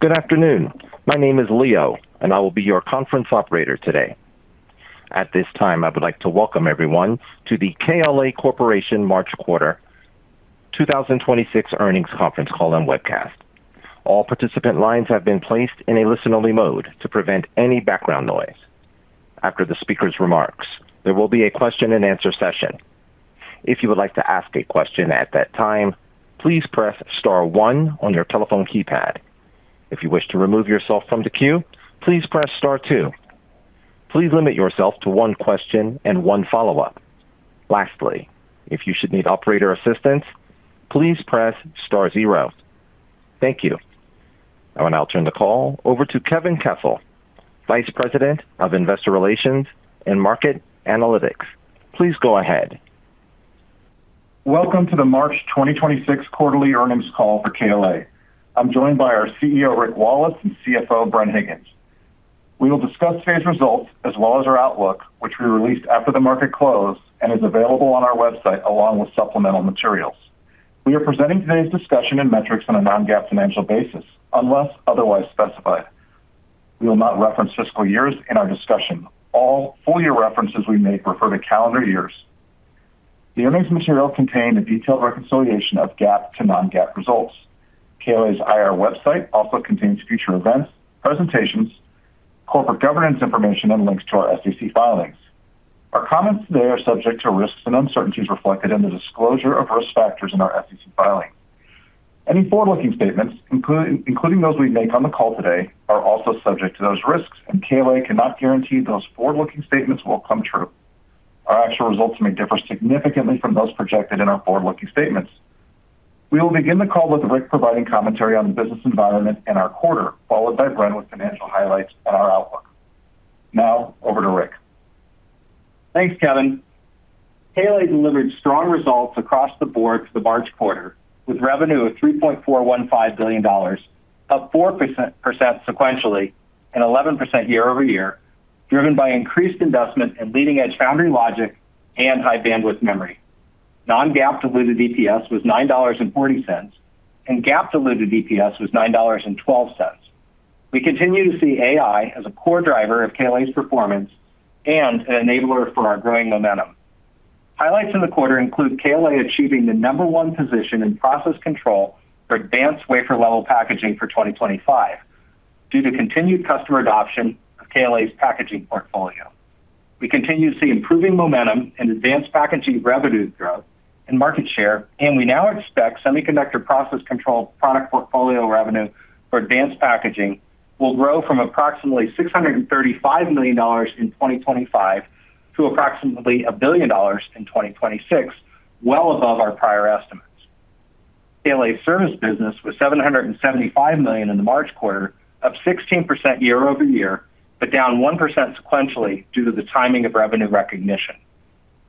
Good afternoon. My name is Leo, and I will be your conference operator today. At this time, I would like to welcome everyone to the KLA Corporation March quarter 2026 earnings conference call and webcast. All participant lines have been placed in a listen-only mode to prevent any background noise. After the speaker's remarks, there will be a question-and-answer session. If you would like to ask a question at that time, please press star one on your telephone keypad. If you wish to remove yourself from the queue, please press star two. Please limit yourself to one question and one follow-up. Lastly, if you should need operator assistance, please press star zero. Thank you. I will now turn the call over to Kevin Kessel, Vice President of Investor Relations and Market Analytics. Please go ahead. Welcome to the March 2026 quarterly earnings call for KLA. I'm joined by our CEO, Rick Wallace, and CFO, Bren Higgins. We will discuss today's results as well as our outlook, which we released after the market close and is available on our website along with supplemental materials. We are presenting today's discussion and metrics on a non-GAAP financial basis, unless otherwise specified. We will not reference fiscal years in our discussion. All full year references we make refer to calendar years. The earnings material contain a detailed reconciliation of GAAP to non-GAAP results. KLA's IR website also contains future events, presentations, corporate governance information, and links to our SEC filings. Our comments today are subject to risks and uncertainties reflected in the disclosure of risk factors in our SEC filing. Any forward-looking statements, including those we make on the call today, are also subject to those risks, and KLA cannot guarantee those forward-looking statements will come true. Our actual results may differ significantly from those projected in our forward-looking statements. We will begin the call with Rick providing commentary on the business environment in our quarter, followed by Bren with financial highlights and our outlook. Now, over to Rick. Thanks, Kevin. KLA delivered strong results across the board for the March quarter, with revenue of $3.415 billion, up 4% sequentially, and 11% year-over-year, driven by increased investment in leading-edge Foundry Logic and High-Bandwidth Memory. Non-GAAP diluted EPS was $9.40, and GAAP diluted EPS was $9.12. We continue to see AI as a core driver of KLA's performance and an enabler for our growing momentum. Highlights in the quarter include KLA achieving the number one position in Process Control for Advanced Wafer-Level Packaging for 2025 due to continued customer adoption of KLA's packaging portfolio. We continue to see improving momentum in advanced packaging revenue growth and market share. We now expect semiconductor process control product portfolio revenue for advanced packaging will grow from approximately $635 million in 2025 to approximately $1 billion in 2026, well above our prior estimates. KLA's service business was $775 million in the March quarter, up 16% year-over-year, but down 1% sequentially due to the timing of revenue recognition.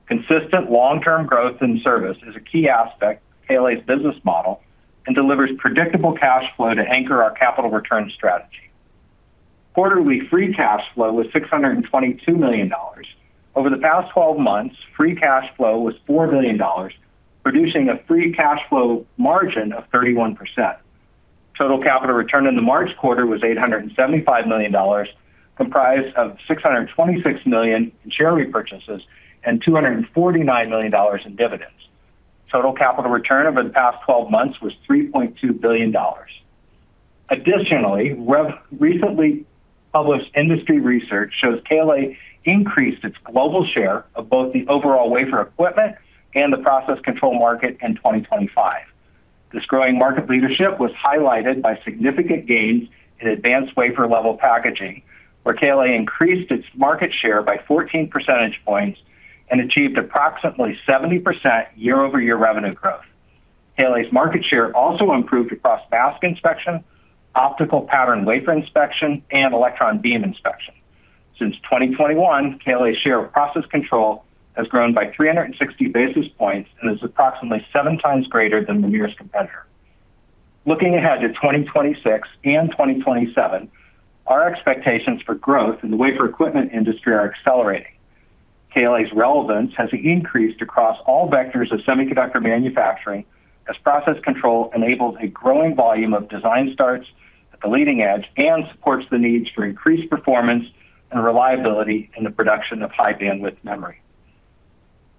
Consistent long-term growth in service is a key aspect of KLA's business model and delivers predictable cash flow to anchor our capital return strategy. Quarterly free cash flow was $622 million. Over the past 12 months, free cash flow was $4 billion, producing a free cash flow margin of 31%. Total capital return in the March quarter was $875 million, comprised of $626 million in share repurchases and $249 million in dividends. Total capital return over the past 12 months was $3.2 billion. Additionally, recently published industry research shows KLA increased its global share of both the overall wafer equipment and the Process Control market in 2025. This growing market leadership was highlighted by significant gains in Advanced Wafer-Level Packaging, where KLA increased its market share by 14 percentage points and achieved approximately 70% year-over-year revenue growth. KLA's market share also improved across Mask Inspection, Optical Patterned Wafer Inspection, and Electron Beam Inspection. Since 2021, KLA's share of Process Control has grown by 360 basis points and is approximately 7x greater than the nearest competitor. Looking ahead to 2026 and 2027, our expectations for growth in the wafer equipment industry are accelerating. KLA's relevance has increased across all vectors of semiconductor manufacturing as process control enables a growing volume of design starts at the leading edge and supports the needs for increased performance and reliability in the production of High-Bandwidth Memory.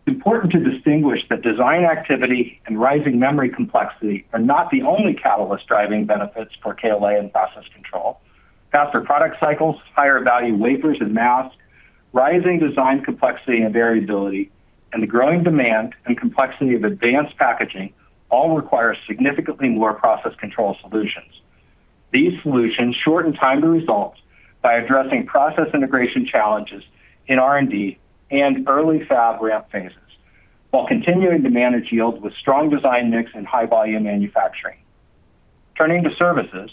It's important to distinguish that design activity and rising memory complexity are not the only catalyst driving benefits for KLA and process control. Faster product cycles, higher value wafers and masks, rising design complexity and variability, and the growing demand and complexity of advanced packaging all require significantly more process control solutions. These solutions shorten time to results by addressing process integration challenges in R&D and early fab ramp phases while continuing to manage yields with strong design mix and high volume manufacturing. Turning to services,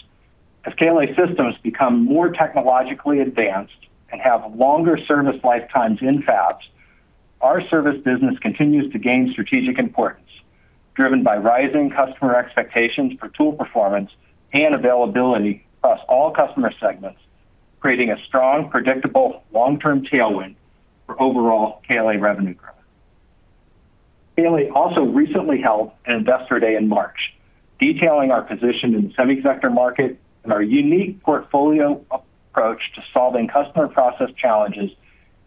as KLA systems become more technologically advanced and have longer service lifetimes in fabs, our service business continues to gain strategic importance, driven by rising customer expectations for tool performance and availability across all customer segments, creating a strong, predictable, long-term tailwind for overall KLA revenue growth. KLA also recently held an investor day in March, detailing our position in the semiconductor market and our unique portfolio approach to solving customer process challenges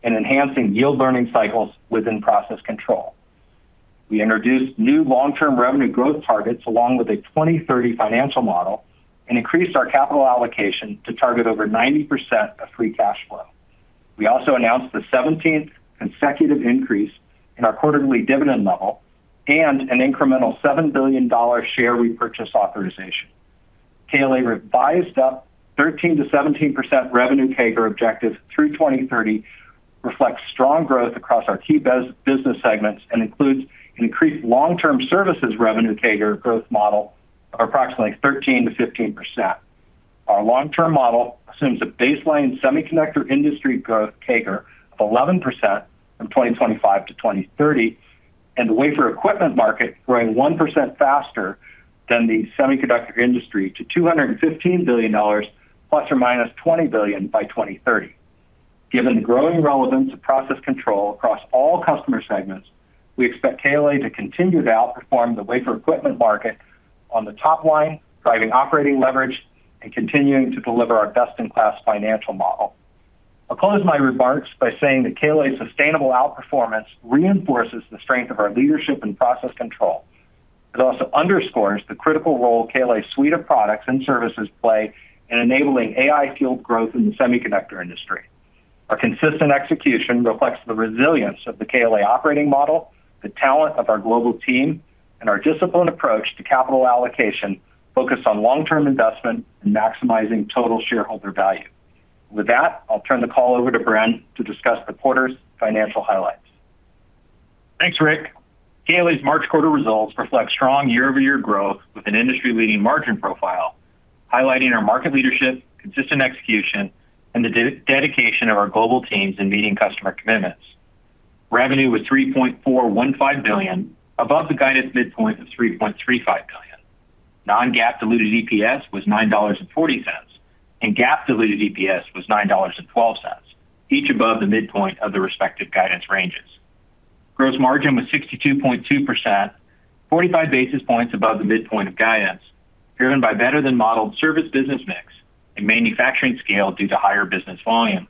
and enhancing yield learning cycles within Process Control. We introduced new long-term revenue growth targets along with a 2030 financial model and increased our capital allocation to target over 90% of free cash flow. We also announced the 17th consecutive increase in our quarterly dividend level and an incremental $7 billion share repurchase authorization. KLA revised up 13%-17% revenue CAGR objective through 2030, reflects strong growth across our key business segments and includes an increased long-term services revenue CAGR growth model of approximately 13%-15%. Our long-term model assumes a baseline semiconductor industry growth CAGR of 11% from 2025 to 2030, and the wafer equipment market growing 1% faster than the semiconductor industry to $215 billion ±$20 billion by 2030. Given the growing relevance of process control across all customer segments, we expect KLA to continue to outperform the wafer equipment market on the top line, driving operating leverage, and continuing to deliver our best-in-class financial model. I'll close my remarks by saying that KLA's sustainable outperformance reinforces the strength of our leadership in process control. It also underscores the critical role KLA's suite of products and services play in enabling AI-fueled growth in the semiconductor industry. Our consistent execution reflects the resilience of the KLA operating model, the talent of our global team, and our disciplined approach to capital allocation focused on long-term investment and maximizing total shareholder value. With that, I'll turn the call over to Bren to discuss the quarter's financial highlights. Thanks, Rick. KLA's March quarter results reflect strong year-over-year growth with an industry-leading margin profile, highlighting our market leadership, consistent execution, and the dedication of our global teams in meeting customer commitments. Revenue was $3.415 billion, above the guided midpoint of $3.35 billion. non-GAAP diluted EPS was $9.40, and GAAP diluted EPS was $9.12, each above the midpoint of the respective guidance ranges. Gross margin was 62.2%, 45 basis points above the midpoint of guidance, driven by better-than-modeled service business mix and manufacturing scale due to higher business volume.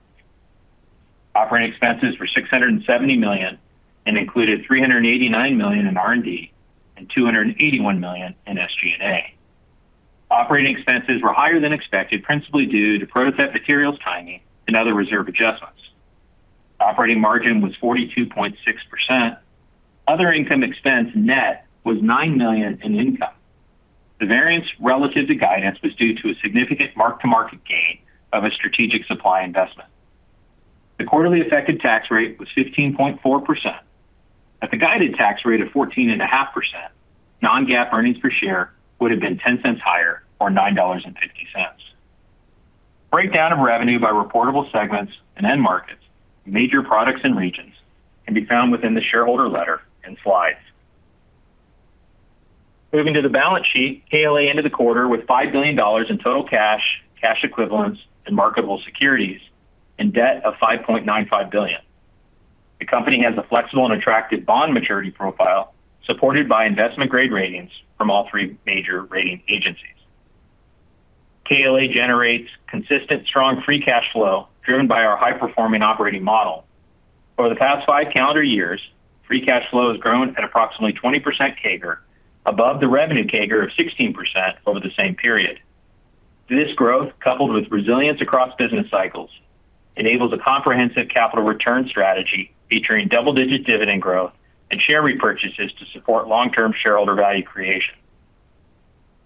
Operating expenses were $670 million and included $389 million in R&D and $281 million in SG&A. Operating expenses were higher than expected, principally due to prototype materials timing and other reserve adjustments. Operating margin was 42.6%. Other income expense net was $9 million in income. The variance relative to guidance was due to a significant mark-to-market gain of a strategic supply investment. The quarterly effective tax rate was 15.4%. At the guided tax rate of 14.5%, non-GAAP earnings per share would have been $0.10 higher, or $9.50. Breakdown of revenue by reportable segments and end markets, major products and regions can be found within the shareholder letter and slides. Moving to the balance sheet, KLA ended the quarter with $5 billion in total cash equivalents, and marketable securities, and debt of $5.95 billion. The company has a flexible and attractive bond maturity profile supported by investment-grade ratings from all three major rating agencies. KLA generates consistent, strong free cash flow driven by our high-performing operating model. Over the past five calendar years, free cash flow has grown at approximately 20% CAGR, above the revenue CAGR of 16% over the same period. This growth, coupled with resilience across business cycles, enables a comprehensive capital return strategy featuring double-digit dividend growth and share repurchases to support long-term shareholder value creation.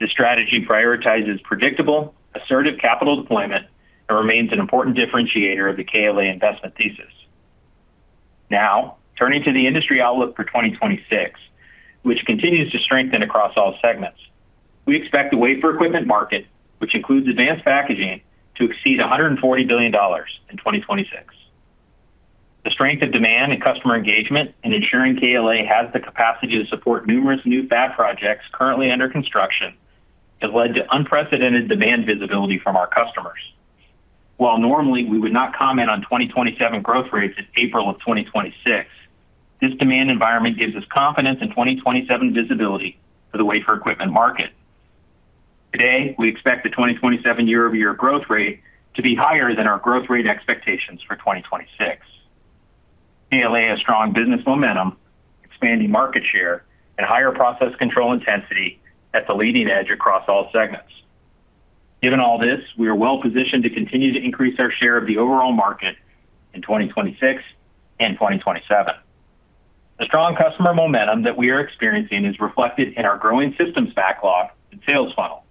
This strategy prioritizes predictable, assertive capital deployment and remains an important differentiator of the KLA investment thesis. Turning to the industry outlook for 2026, which continues to strengthen across all segments. We expect the wafer equipment market, which includes advanced packaging, to exceed $140 billion in 2026. The strength of demand and customer engagement in ensuring KLA has the capacity to support numerous new fab projects currently under construction has led to unprecedented demand visibility from our customers. While normally we would not comment on 2027 growth rates in April of 2026, this demand environment gives us confidence in 2027 visibility for the wafer equipment market. Today, we expect the 2027 year-over-year growth rate to be higher than our growth rate expectations for 2026. KLA has strong business momentum, expanding market share, and higher process control intensity at the leading edge across all segments. Given all this, we are well-positioned to continue to increase our share of the overall market in 2026 and 2027. The strong customer momentum that we are experiencing is reflected in our growing systems backlog and sales funnel.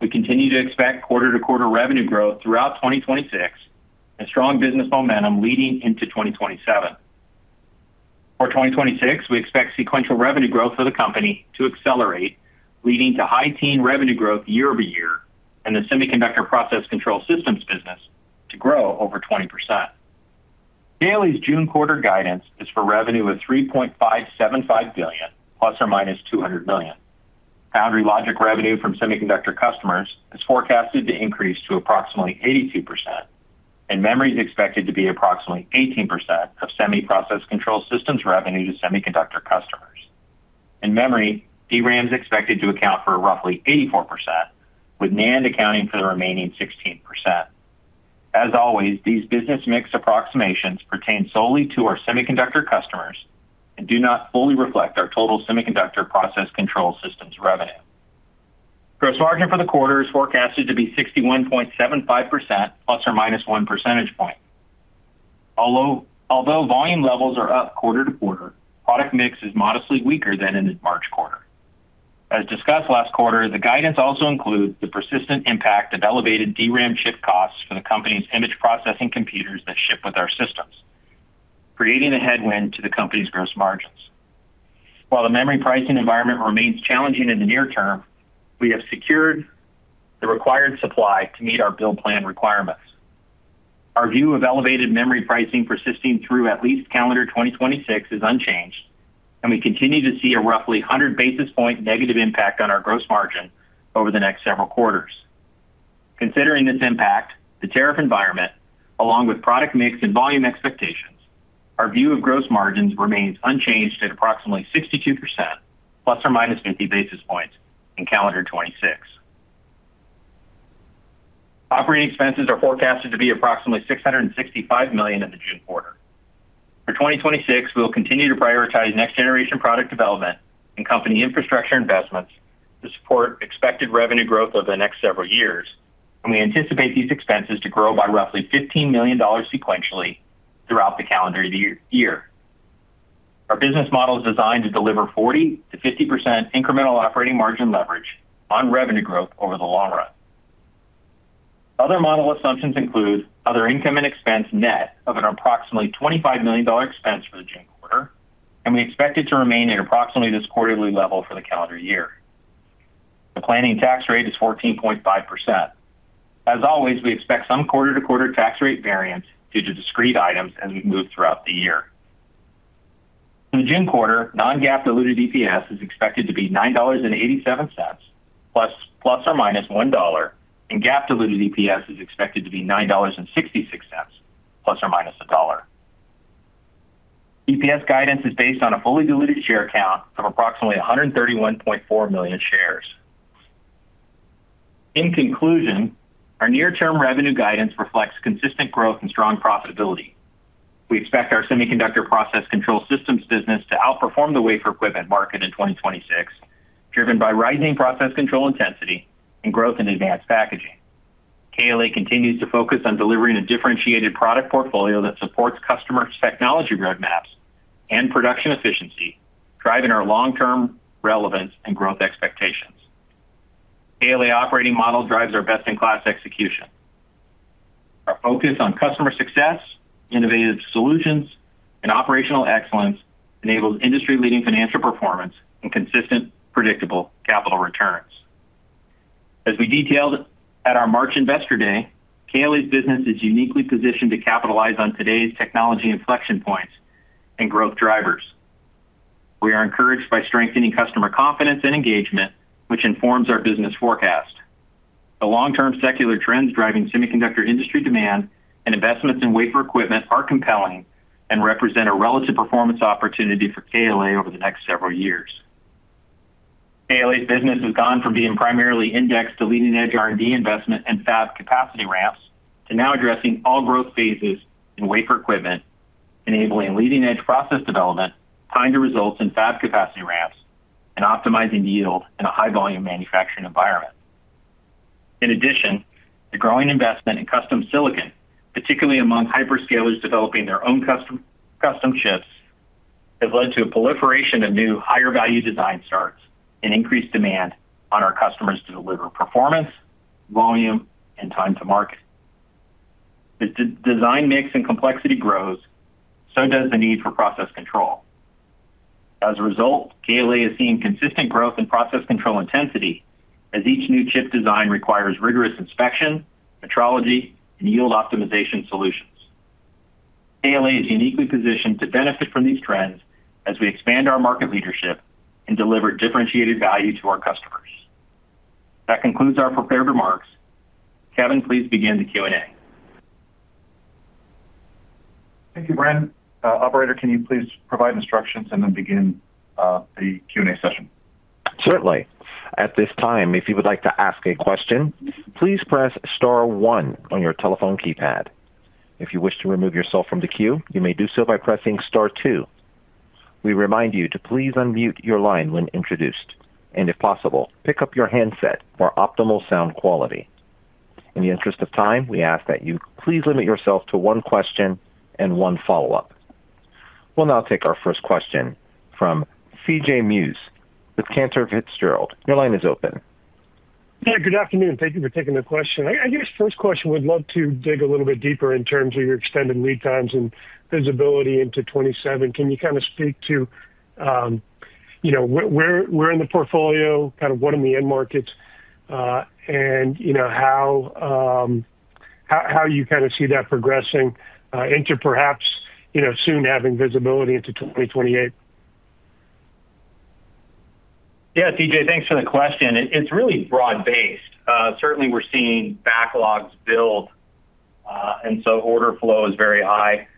We continue to expect quarter-to-quarter revenue growth throughout 2026 and strong business momentum leading into 2027. For 2026, we expect sequential revenue growth for the company to accelerate, leading to high teen revenue growth year-over-year and the Semiconductor Process Control systems business to grow over 20%. KLA's June quarter guidance is for revenue of $3.575 billion, ±$200 million. Foundry logic revenue from semiconductor customers is forecasted to increase to approximately 82%, and memory is expected to be approximately 18% of Semiconductor Process Control systems revenue to semiconductor customers. In memory, DRAM is expected to account for roughly 84%, with NAND accounting for the remaining 16%. As always, these business mix approximations pertain solely to our semiconductor customers and do not fully reflect our total Semiconductor Process Control systems revenue. Gross margin for the quarter is forecasted to be 61.75% ±1 percentage point. Although volume levels are up quarter-to-quarter, product mix is modestly weaker than in the March quarter. As discussed last quarter, the guidance also includes the persistent impact of elevated DRAM chip costs for the company's image processing computers that ship with our systems, creating a headwind to the company's gross margins. While the memory pricing environment remains challenging in the near term, we have secured the required supply to meet our build plan requirements. Our view of elevated memory pricing persisting through at least calendar 2026 is unchanged, and we continue to see a roughly 100 basis point negative impact on our gross margin over the next several quarters. Considering this impact, the tariff environment, along with product mix and volume expectations, our view of gross margins remains unchanged at approximately 62%± 50 basis points in calendar 2026. Operating expenses are forecasted to be approximately $665 million in the June quarter. For 2026, we will continue to prioritize next-generation product development and company infrastructure investments to support expected revenue growth over the next several years, and we anticipate these expenses to grow by roughly $15 million sequentially throughout the calendar year. Our business model is designed to deliver 40%-50% incremental operating margin leverage on revenue growth over the long run. Other model assumptions include other income and expense net of an approximately $25 million expense for the June quarter, and we expect it to remain at approximately this quarterly level for the calendar year. The planning tax rate is 14.5%. As always, we expect some quarter-to-quarter tax rate variance due to discrete items as we move throughout the year. For the June quarter, non-GAAP diluted EPS is expected to be $9.87 ±$1, and GAAP diluted EPS is expected to be $9.66 ±$1. EPS guidance is based on a fully diluted share count of approximately 131.4 million shares. In conclusion, our near-term revenue guidance reflects consistent growth and strong profitability. We expect our Semiconductor Process Control systems business to outperform the wafer equipment market in 2026, driven by rising process control intensity and growth in advanced packaging. KLA continues to focus on delivering a differentiated product portfolio that supports customers' technology roadmaps and production efficiency, driving our long-term relevance and growth expectations. KLA operating model drives our best-in-class execution. Our focus on customer success, innovative solutions, and operational excellence enables industry-leading financial performance and consistent, predictable capital returns. As we detailed at our March Investor Day, KLA's business is uniquely positioned to capitalize on today's technology inflection points and growth drivers. We are encouraged by strengthening customer confidence and engagement, which informs our business forecast. The long-term secular trends driving semiconductor industry demand and investments in wafer equipment are compelling and represent a relative performance opportunity for KLA over the next several years. KLA's business has gone from being primarily indexed to leading-edge R&D investment and fab capacity ramps to now addressing all growth phases in wafer equipment, enabling leading-edge process development, tying the results in fab capacity ramps, and optimizing yield in a high-volume manufacturing environment. In addition, the growing investment in custom silicon, particularly among hyperscalers developing their own custom chips, have led to a proliferation of new higher-value design starts and increased demand on our customers to deliver performance, volume, and time to market. As design mix and complexity grows, so does the need for process control. As a result, KLA is seeing consistent growth in process control intensity as each new chip design requires rigorous inspection, metrology, and yield optimization solutions. KLA is uniquely positioned to benefit from these trends as we expand our market leadership and deliver differentiated value to our customers. That concludes our prepared remarks. Kevin, please begin the Q&A. Thank you, Bren Higgins. Operator, can you please provide instructions and then begin the Q&A session? Certainly, at this time if you would like to ask a question, please press star one. If you wish to remove yourself from the queue, you may do so by pressing star two. We remind you to please unmute your line when introduced and if possible pick up your handset for optimal quality. In the interest of time we ask that you please limit yourself to one question and one follow-up. We'll now take our first question from C.J. Muse with Cantor Fitzgerald. Your line is open. Yeah, good afternoon. Thank you for taking the question. I guess first question, would love to dig a little bit deeper in terms of your extended lead times and visibility into 2027. Can you kind of speak to, you know, where in the portfolio, kind of what in the end markets, and you know, how? How you kind of see that progressing, perhaps, you know, soon having visibility into 2028? Yeah, C.J. Muse, thanks for the question. It's really broad-based. Certainly we're seeing backlogs build, order flow is very high.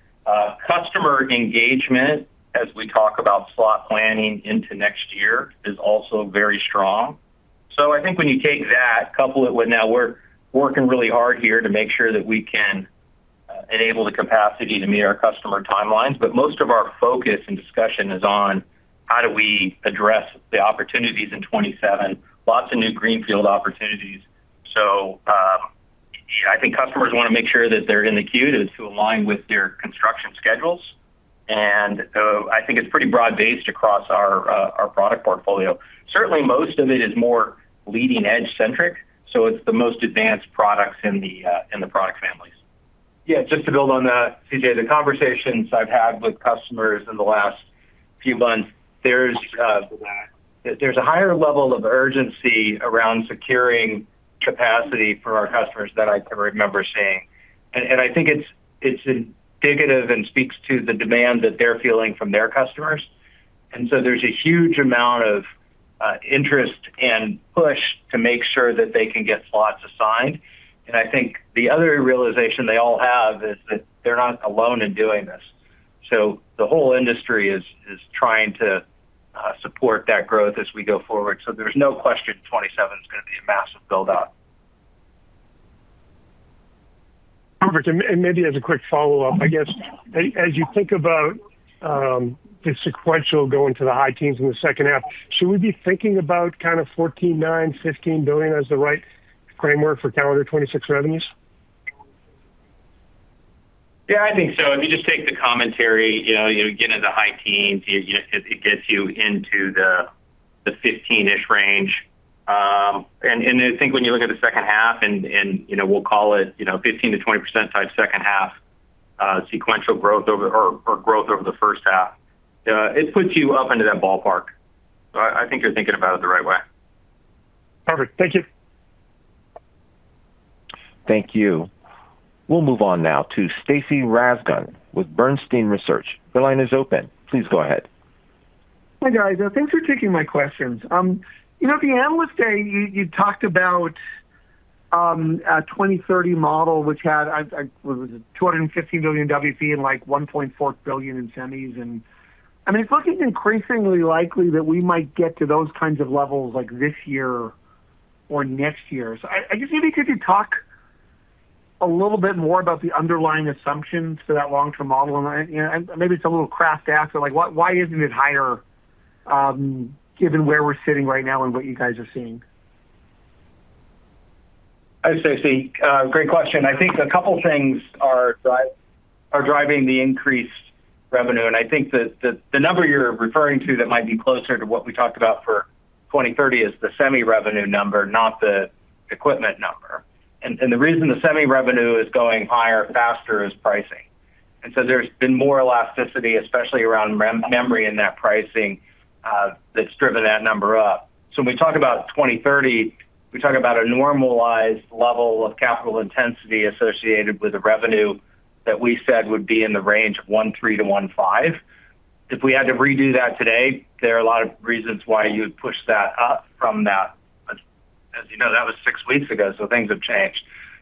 Customer engagement as we talk about slot planning into next year is also very strong. I think when you take that, couple it with now we're working really hard here to make sure that we can enable the capacity to meet our customer timelines, but most of our focus and discussion is on how do we address the opportunities in 2027, lots of new greenfield opportunities. Yeah, I think customers wanna make sure that they're in the queue to align with their construction schedules. I think it's pretty broad-based across our product portfolio. Certainly most of it is more leading-edge centric, so it's the most advanced products in the product families. Yeah, just to build on that, C.J. Muse, the conversations I've had with customers in the last few months, there's a higher level of urgency around securing capacity for our customers that I can remember seeing. I think it's indicative and speaks to the demand that they're feeling from their customers. There's a huge amount of interest and push to make sure that they can get slots assigned. I think the other realization they all have is that they're not alone in doing this. The whole industry is trying to support that growth as we go forward. There's no question 2027's gonna be a massive buildup. Perfect, maybe as a quick follow-up, I guess as you think about the sequential going to the high teens in the second half, should we be thinking about kind of $14.9 billion, $15 billion as the right framework for calendar 2026 revenues? Yeah, I think so. If you just take the commentary, you know, getting to the high teens, it gets you into the 15-ish range. I think when you look at the second half and, you know, we'll call it, you know, 15%-20% type second half sequential growth over or growth over the first half, it puts you up into that ballpark. I think you're thinking about it the right way. Perfect. Thank you. Thank you. We'll move on now to Stacy Rasgon with Bernstein Research. Your line is open. Please go ahead. Hi, guys. thanks for taking my questions. You know, at the analyst day you talked about a 2030 model which had $215 billion WFE and, like, $1.4 billion in semis. I mean, it looking increasingly likely that we might get to those kinds of levels like this year or next year. I guess maybe could you talk a little bit more about the underlying assumptions for that long-term model? You know, maybe it's a little craft to ask, but, like, why isn't it higher given where we're sitting right now and what you guys are seeing? Hi, Stacy. Great question. I think a couple things are driving the increased revenue. I think that the number you're referring to that might be closer to what we talked about for 2030 is the semi revenue number, not the equipment number. The reason the semi revenue is going higher faster is pricing. There's been more elasticity, especially around memory in that pricing that's driven that number up. When we talk about 2030, we talk about a normalized level of capital intensity associated with the revenue that we said would be in the range of 1.3%-1.5%. If we had to redo that today, there are a lot of reasons why you would push that up from that. As you know, that was six weeks ago. Things have changed.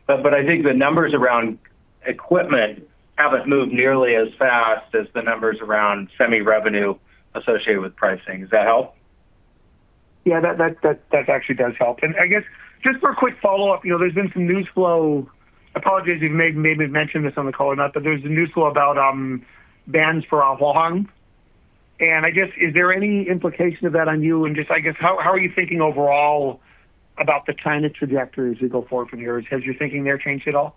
I think the numbers around equipment haven't moved nearly as fast as the numbers around semi revenue associated with pricing. Does that help? Yeah, that actually does help. I guess just for a quick follow-up, you know, there's been some news flow. Apologize if you've maybe mentioned this on the call or not, but there's a news flow about bans for Huawei. I guess, is there any implication of that on you? Just I guess, how are you thinking overall about the China trajectory as we go forward from here? Has your thinking there changed at all?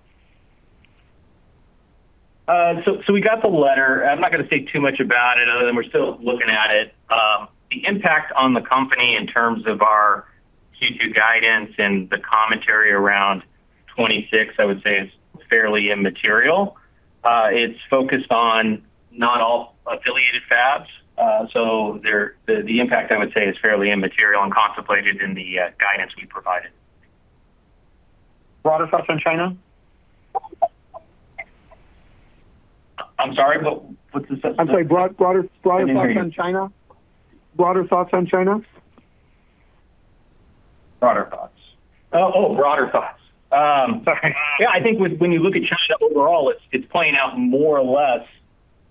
We got the letter. I'm not gonna say too much about it other than we're still looking at it. The impact on the company in terms of our Q2 guidance and the commentary around 2026, I would say is fairly immaterial. It's focused on not all affiliated fabs. There, the impact I would say is fairly immaterial and contemplated in the guidance we provided. Broader thoughts on China? I'm sorry, what's the? I'm sorry, broad, broader thoughts on China? I didn't hear you. Broader thoughts on China? Broader thoughts. Yeah, I think when you look at China overall, it's playing out more or less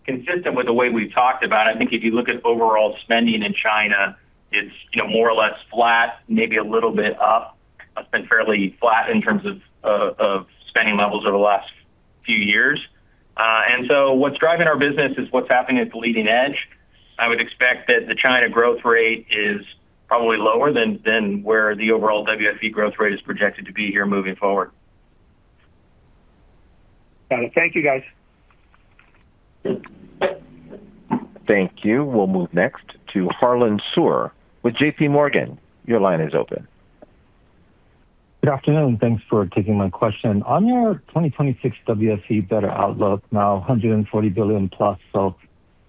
consistent with the way we've talked about it. I think if you look at overall spending in China, it's, you know, more or less flat, maybe a little bit up. It's been fairly flat in terms of spending levels over the last few years. What's driving our business is what's happening at the leading edge. I would expect that the China growth rate is probably lower than where the overall WFE growth rate is projected to be here moving forward. Got it. Thank you, guys. Thank you. We'll move next to Harlan Sur with JPMorgan. Your line is open. Good afternoon, and thanks for taking my question. On your 2026 WFE better outlook, now $140 billion+, so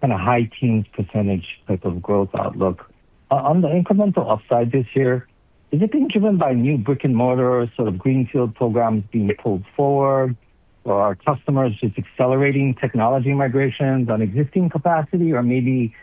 kind of high teens percentage type of growth outlook. On the incremental upside this year, is it being driven by new brick-and-mortar sort of greenfield programs being pulled forward or our customers just accelerating technology migrations on existing capacity or maybe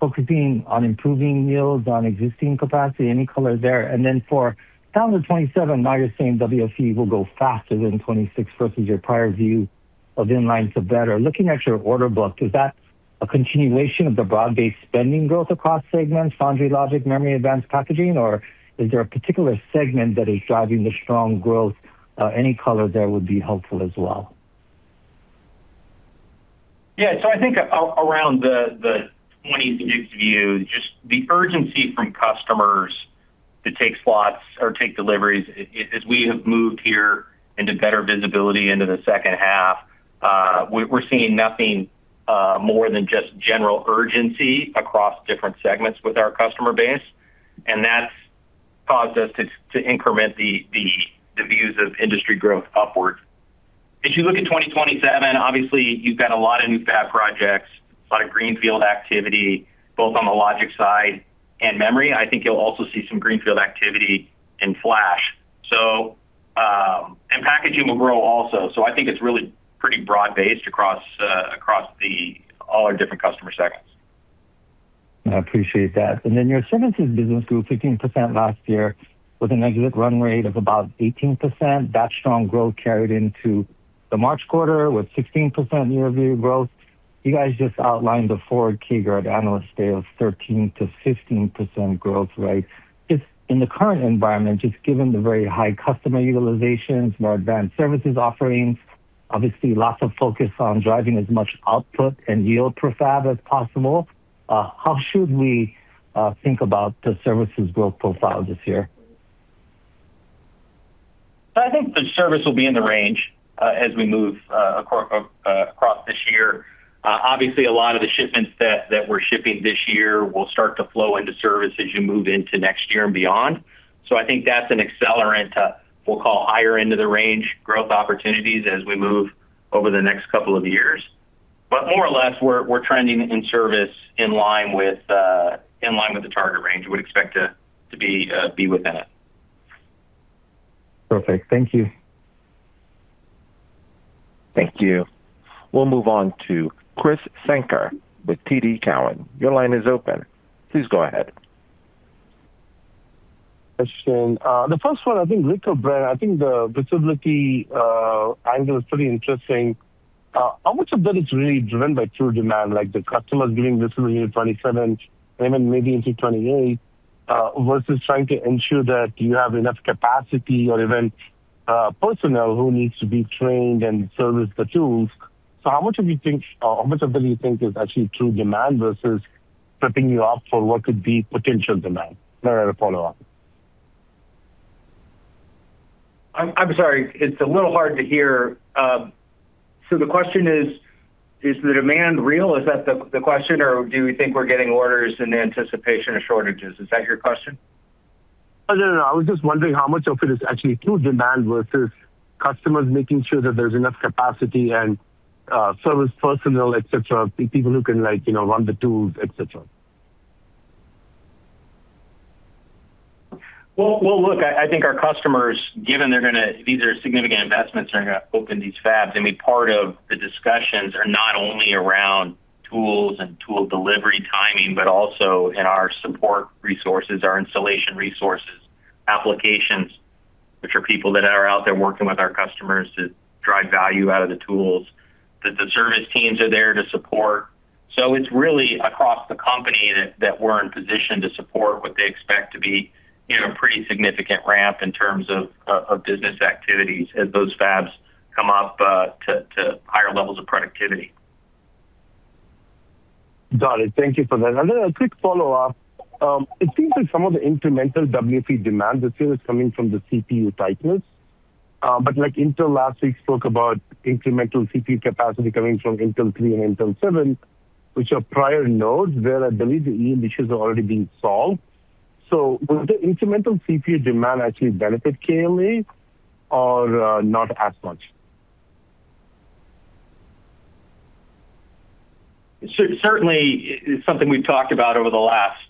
focusing on improving yields on existing capacity? Any color there? Then for 2027, now you're saying WFE will go faster than 2026 versus your prior view of in line to better. Looking at your order book, is that a continuation of the broad-based spending growth across segments, foundry logic, memory, advanced packaging, or is there a particular segment that is driving the strong growth? Any color there would be helpful as well. Yeah. I think around the 2026 view, just the urgency from customers to take slots or take deliveries, as we have moved here into better visibility into the second half, we're seeing nothing more than just general urgency across different segments with our customer base, and that's caused us to increment the views of industry growth upward. If you look at 2027, obviously you've got a lot of new fab projects, a lot of greenfield activity, both on the logic side and memory. I think you'll also see some greenfield activity in flash. And packaging will grow also. I think it's really pretty broad-based across all our different customer segments. I appreciate that. Your services business grew 15% last year with an exit run rate of about 18%. That strong growth carried into the March quarter with 16% year-over-year growth. You guys just outlined the forward key guidance at Analyst Day of 13%-15% growth, right? Just in the current environment, just given the very high customer utilizations, more advanced services offerings, obviously lots of focus on driving as much output and yield per fab as possible, how should we think about the services growth profile this year? I think the service will be in the range as we move across this year. Obviously, a lot of the shipments that we're shipping this year will start to flow into service as you move into next year and beyond. I think that's an accelerant to, we'll call, higher end of the range growth opportunities as we move over the next couple of years. More or less, we're trending in service in line with in line with the target range. We would expect to be within it. Perfect. Thank you. Thank you. We'll move on to Krish Sankar with TD Cowen. Your line is open. Please go ahead. Question. The first one, I think, Rick or Bren, I think the visibility angle is pretty interesting. How much of that is really driven by true demand, like the customers giving visibility in 2027 and even maybe into 2028, versus trying to ensure that you have enough capacity or even personnel who needs to be trained and service the tools. So how much of that do you think is actually true demand versus prepping you up for what could be potential demand? Then I have a follow-up. I'm sorry. It's a little hard to hear. The question is the demand real? Is that the question, or do we think we're getting orders in anticipation of shortages? Is that your question? No, no. I was just wondering how much of it is actually true demand versus customers making sure that there's enough capacity and service personnel, et cetera, people who can, like, you know, run the tools, et cetera. Well, look, I think our customers, given these are significant investments that are gonna open these fabs. I mean, part of the discussions are not only around tools and tool delivery timing, but also in our support resources, our installation resources, applications, which are people that are out there working with our customers to drive value out of the tools, that the service teams are there to support. It's really across the company that we're in position to support what they expect to be, you know, pretty significant ramp in terms of business activities as those fabs come up to higher levels of productivity. Got it. Thank you for that. A quick follow-up. It seems like some of the incremental WFE demand this year is coming from the CPU tightness. Intel last week spoke about incremental CPU capacity coming from Intel 3 and Intel 7, which are prior nodes where I believe the yield issues have already been solved. Will the incremental CPU demand actually benefit KLA or not as much? Certainly, it's something we've talked about over the last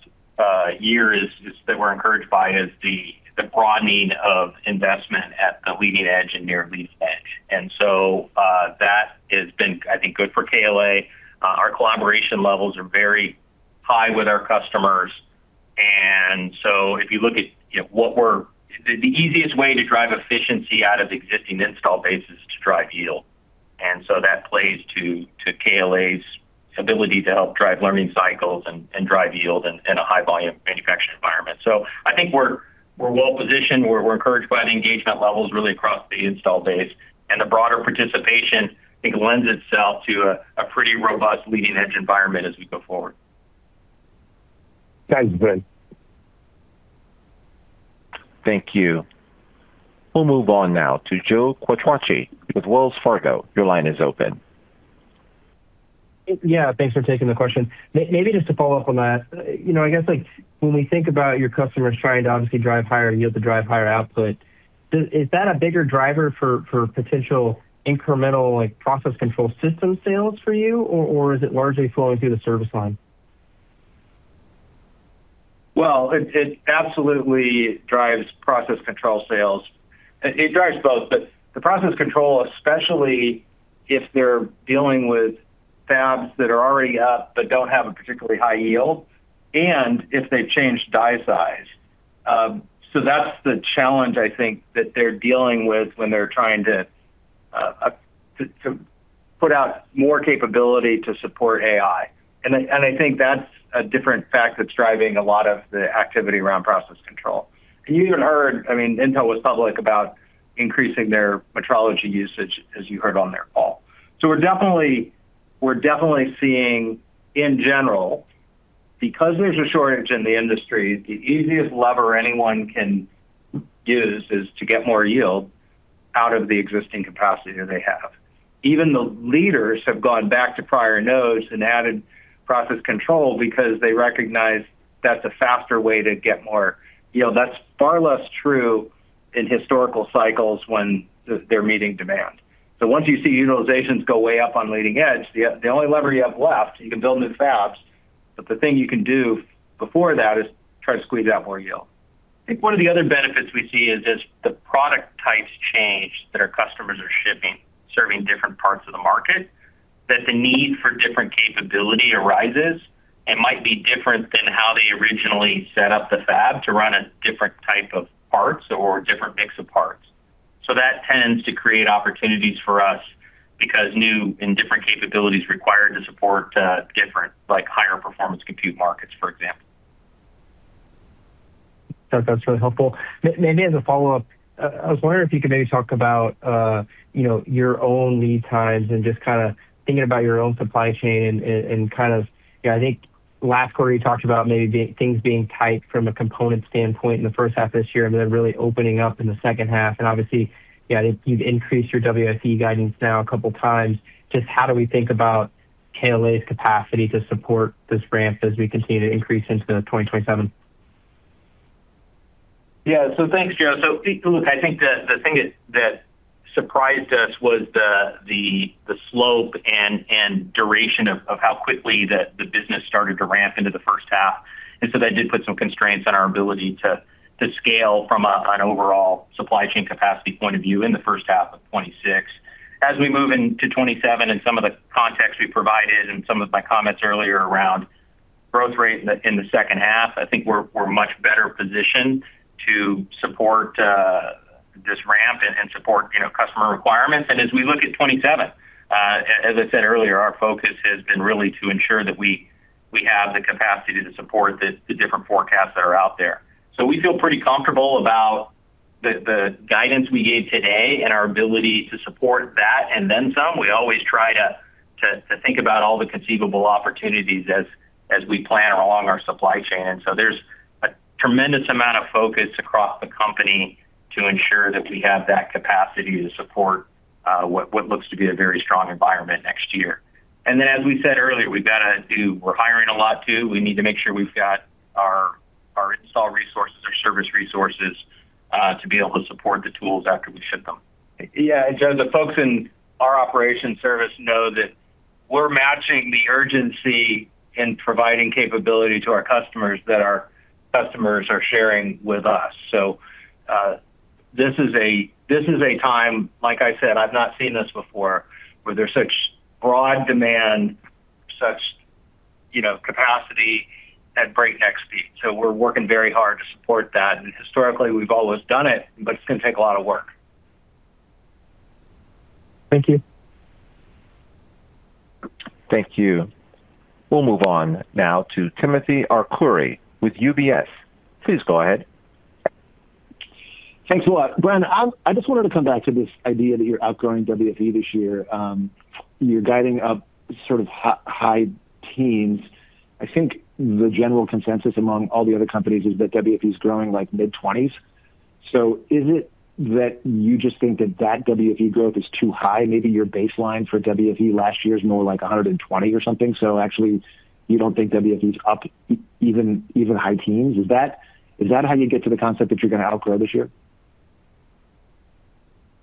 year is that we're encouraged by is the broadening of investment at the leading edge and near leading edge. That has been, I think, good for KLA. Our collaboration levels are very high with our customers. If you look at, you know, the easiest way to drive efficiency out of existing install base is to drive yield. That plays to KLA's ability to help drive learning cycles and drive yield in a high volume manufacturing environment. I think we're well-positioned. We're encouraged by the engagement levels really across the install base. The broader participation, I think, lends itself to a pretty robust leading edge environment as we go forward. Thanks, Bren Higgins. Thank you. We'll move on now to Joe Quattrocchi with Wells Fargo. Your line is open. Yeah, thanks for taking the question. Maybe just to follow up on that. You know, I guess, like, when we think about your customers trying to obviously drive higher yield to drive higher output, is that a bigger driver for potential incremental, like, Process Control system sales for you, or is it largely flowing through the service line? It absolutely drives process control sales. It drives both, but the process control, especially if they're dealing with fabs that are already up but don't have a particularly high yield, and if they've changed die size. That's the challenge I think that they're dealing with when they're trying to put out more capability to support AI. I think that's a different fact that's driving a lot of the activity around process control. You even heard, I mean, Intel was public about increasing their metrology usage, as you heard on their call. We're definitely seeing in general, because there's a shortage in the industry, the easiest lever anyone can use is to get more yield out of the existing capacity that they have. Even the leaders have gone back to prior nodes and added process control because they recognize that's a faster way to get more yield. That's far less true in historical cycles when they're meeting demand. Once you see utilizations go way up on leading edge, the only lever you have left, you can build new fabs, but the thing you can do before that is try to squeeze out more yield. I think one of the other benefits we see is as the product types change that our customers are shipping, serving different parts of the market, that the need for different capability arises. It might be different than how they originally set up the fab to run a different type of parts or different mix of parts. That tends to create opportunities for us because new and different capabilities required to support different, like, higher performance compute markets, for example. That's really helpful. Maybe as a follow-up, I was wondering if you could maybe talk about, you know, your own lead times and just kind of thinking about your own supply chain and kind of, you know, I think last quarter you talked about maybe things being tight from a component standpoint in the first half of this year, and then really opening up in the second half. Obviously, yeah, I think you've increased your WFE guidance now a couple times. Just how do we think about KLA's capacity to support this ramp as we continue to increase into 2027? Yeah. Thanks, Joe. I think the thing that surprised us was the slope and duration of how quickly the business started to ramp into the first half. That did put some constraints on our ability to scale from an overall supply chain capacity point of view in the first half of 2026. As we move into 2027 and some of the context we provided and some of my comments earlier around growth rate in the second half, I think we're much better positioned to support this ramp and support, you know, customer requirements. As we look at 2027, as I said earlier, our focus has been really to ensure that we have the capacity to support the different forecasts that are out there. We feel pretty comfortable about the guidance we gave today and our ability to support that and then some. We always try to think about all the conceivable opportunities as we plan along our supply chain. There's a tremendous amount of focus across the company to ensure that we have that capacity to support what looks to be a very strong environment next year. As we said earlier, we're hiring a lot too. We need to make sure we've got our install resources, our service resources, to be able to support the tools after we ship them. Yeah. Joe, the folks in our operations service know that we're matching the urgency in providing capability to our customers that our customers are sharing with us. This is a time, like I said, I've not seen this before, where there's such broad demand, such, you know, capacity at breakneck speed. We're working very hard to support that. Historically, we've always done it, but it's gonna take a lot of work. Thank you. Thank you. We'll move on now to Timothy Arcuri with UBS. Please go ahead. Thanks a lot. Bren, I just wanted to come back to this idea that you're outgrowing WFE this year. You're guiding up sort of high teens. I think the general consensus among all the other companies is that WFE is growing like mid-twenties. Is it that you just think that WFE growth is too high? Maybe your baseline for WFE last year is more like $120 or something, actually you don't think WFE's up even high teens? Is that how you get to the concept that you're going to outgrow this year?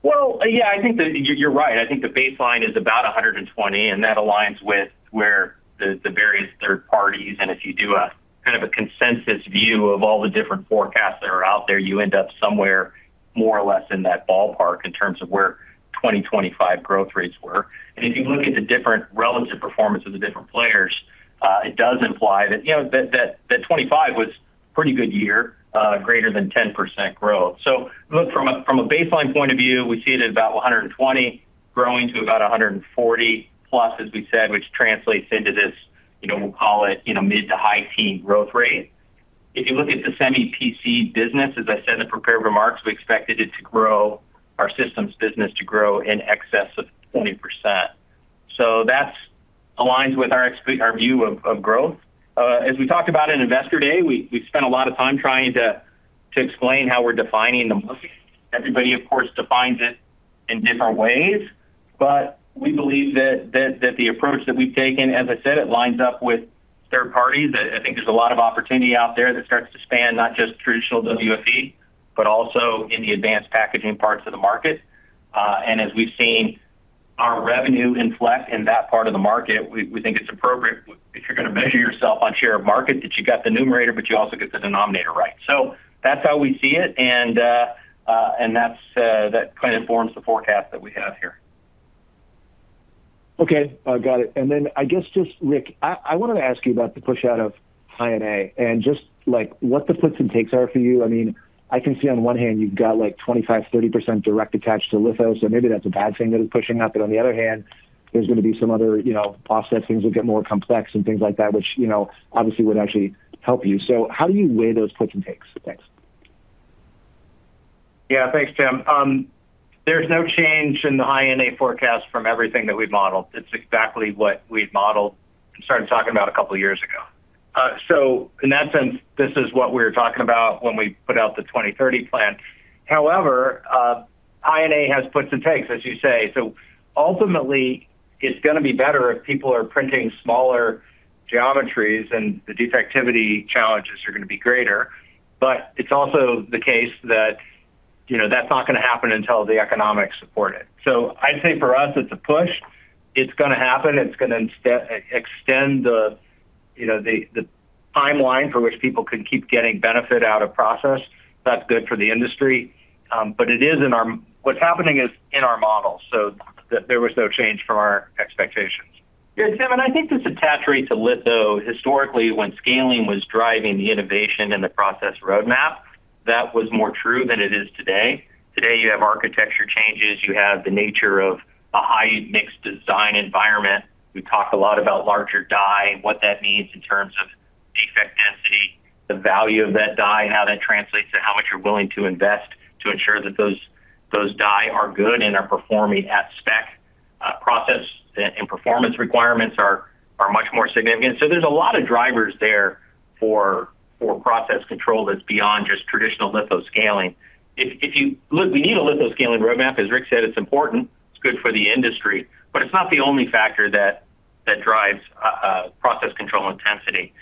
Well, yeah, I think that you're right. I think the baseline is about $120, and that aligns with where the various third parties. If you do kind of a consensus view of all the different forecasts that are out there, you end up somewhere more or less in that ballpark in terms of where 2025 growth rates were. If you look at the different relative performance of the different players, it does imply that, you know, that 2025 was pretty good year, greater than 10% growth. Look, from a baseline point of view, we see it at about $120 growing to about $140+, as we said, which translates into this, you know, we'll call it, you know, mid to high teen growth rate. If you look at the semi PC business, as I said in the prepared remarks, we expected it to grow, our systems business to grow in excess of 20%. That aligns with our view of growth. As we talked about in Investor Day, we spent a lot of time trying to explain how we're defining the market. Everybody, of course, defines it in different ways, but we believe that the approach that we've taken, as I said, it lines up with third parties. I think there's a lot of opportunity out there that starts to span not just traditional WFE, but also in the advanced packaging parts of the market. As our revenue inflect in that part of the market, we think it's appropriate if you're gonna measure yourself on share of market, that you got the numerator, but you also get the denominator right. That's how we see it, and that's that kind of informs the forecast that we have here. Okay. got it. I guess just, Rick, I wanted to ask you about the push out of High NA, and just, like, what the puts and takes are for you. I mean, I can see on one hand you've got, like, 25%, 30% direct attach to litho, maybe that's a bad thing that is pushing out. On the other hand, there's gonna be some other, you know, offset. Things will get more complex and things like that, which, you know, obviously would actually help you. How do you weigh those puts and takes? Thanks. Thanks, Tim. There's no change in the High-NA forecast from everything that we've modeled. It's exactly what we've modeled and started talking about a couple years ago. In that sense, this is what we were talking about when we put out the 2030 plan. High-NA has puts and takes, as you say. Ultimately, it's gonna be better if people are printing smaller geometries and the defectivity challenges are gonna be greater. It's also the case that, you know, that's not gonna happen until the economics support it. I'd say for us, it's a push. It's gonna happen. It's gonna extend the, you know, the timeline for which people can keep getting benefit out of process. That's good for the industry. It is in our model. There was no change from our expectations. Tim, I think this attach rate to litho, historically, when scaling was driving the innovation and the Process roadmap, that was more true than it is today. Today, you have architecture changes. You have the nature of a high mixed design environment. We talk a lot about larger die and what that means in terms of defect density, the value of that die, and how that translates to how much you're willing to invest to ensure that those die are good and are performing at spec. Process and performance requirements are much more significant. There's a lot of drivers there for Process Control that's beyond just traditional litho scaling. Look, we need a litho scaling roadmap. As Rick said, it's important. It's good for the industry, but it's not the only factor that drives a process control intensity.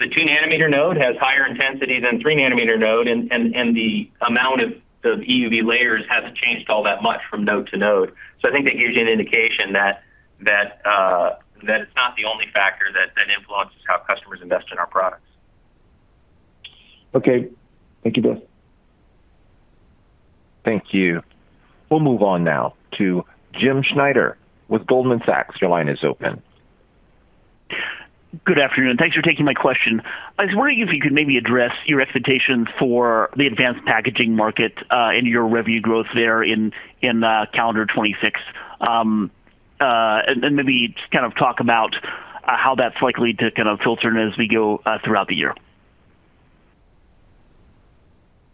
The 2 nm node has higher intensity than 3 nm node, and the amount of the EUV layers hasn't changed all that much from node to node. I think that gives you an indication that it's not the only factor that influences how customers invest in our products. Okay. Thank you both. Thank you. We'll move on now to Jim Schneider with Goldman Sachs. Your line is open. Good afternoon. Thanks for taking my question. I was wondering if you could maybe address your expectations for the advanced packaging market, and your revenue growth there in calendar 2026. Maybe just kind of talk about how that's likely to kind of filter in as we go throughout the year.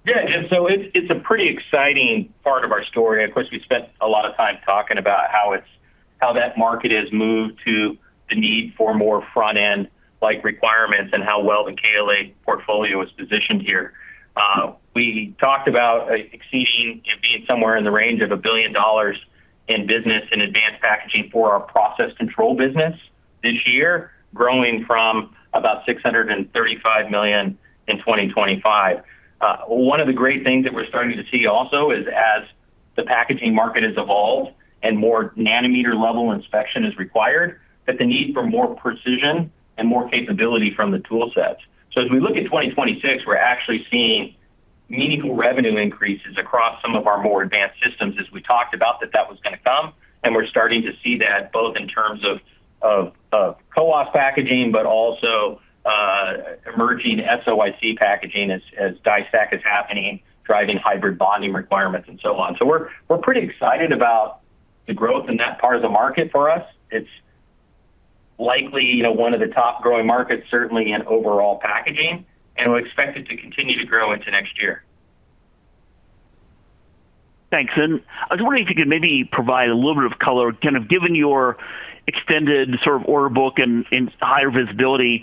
Yeah, Jim. It's a pretty exciting part of our story. Of course, we spent a lot of time talking about how that market has moved to the need for more front-end like requirements and how well the KLA portfolio is positioned here. We talked about exceeding and being somewhere in the range of $1 billion in business in advanced packaging for our Semiconductor Process Control business this year, growing from about $635 million in 2025. One of the great things that we're starting to see also is as the packaging market has evolved and more nanometer level inspection is required, that the need for more precision and more capability from the tool sets. As we look at 2026, we're actually seeing meaningful revenue increases across some of our more advanced systems, as we talked about that was gonna come, and we're starting to see that both in terms of CoWoS packaging, but also emerging SOIC packaging as die stack is happening, driving hybrid bonding requirements and so on. We're pretty excited about the growth in that part of the market for us. It's likely, you know, one of the top growing markets, certainly in overall packaging, and we expect it to continue to grow into next year. Thanks. I was wondering if you could maybe provide a little bit of color, kind of given your extended sort of order book and higher visibility,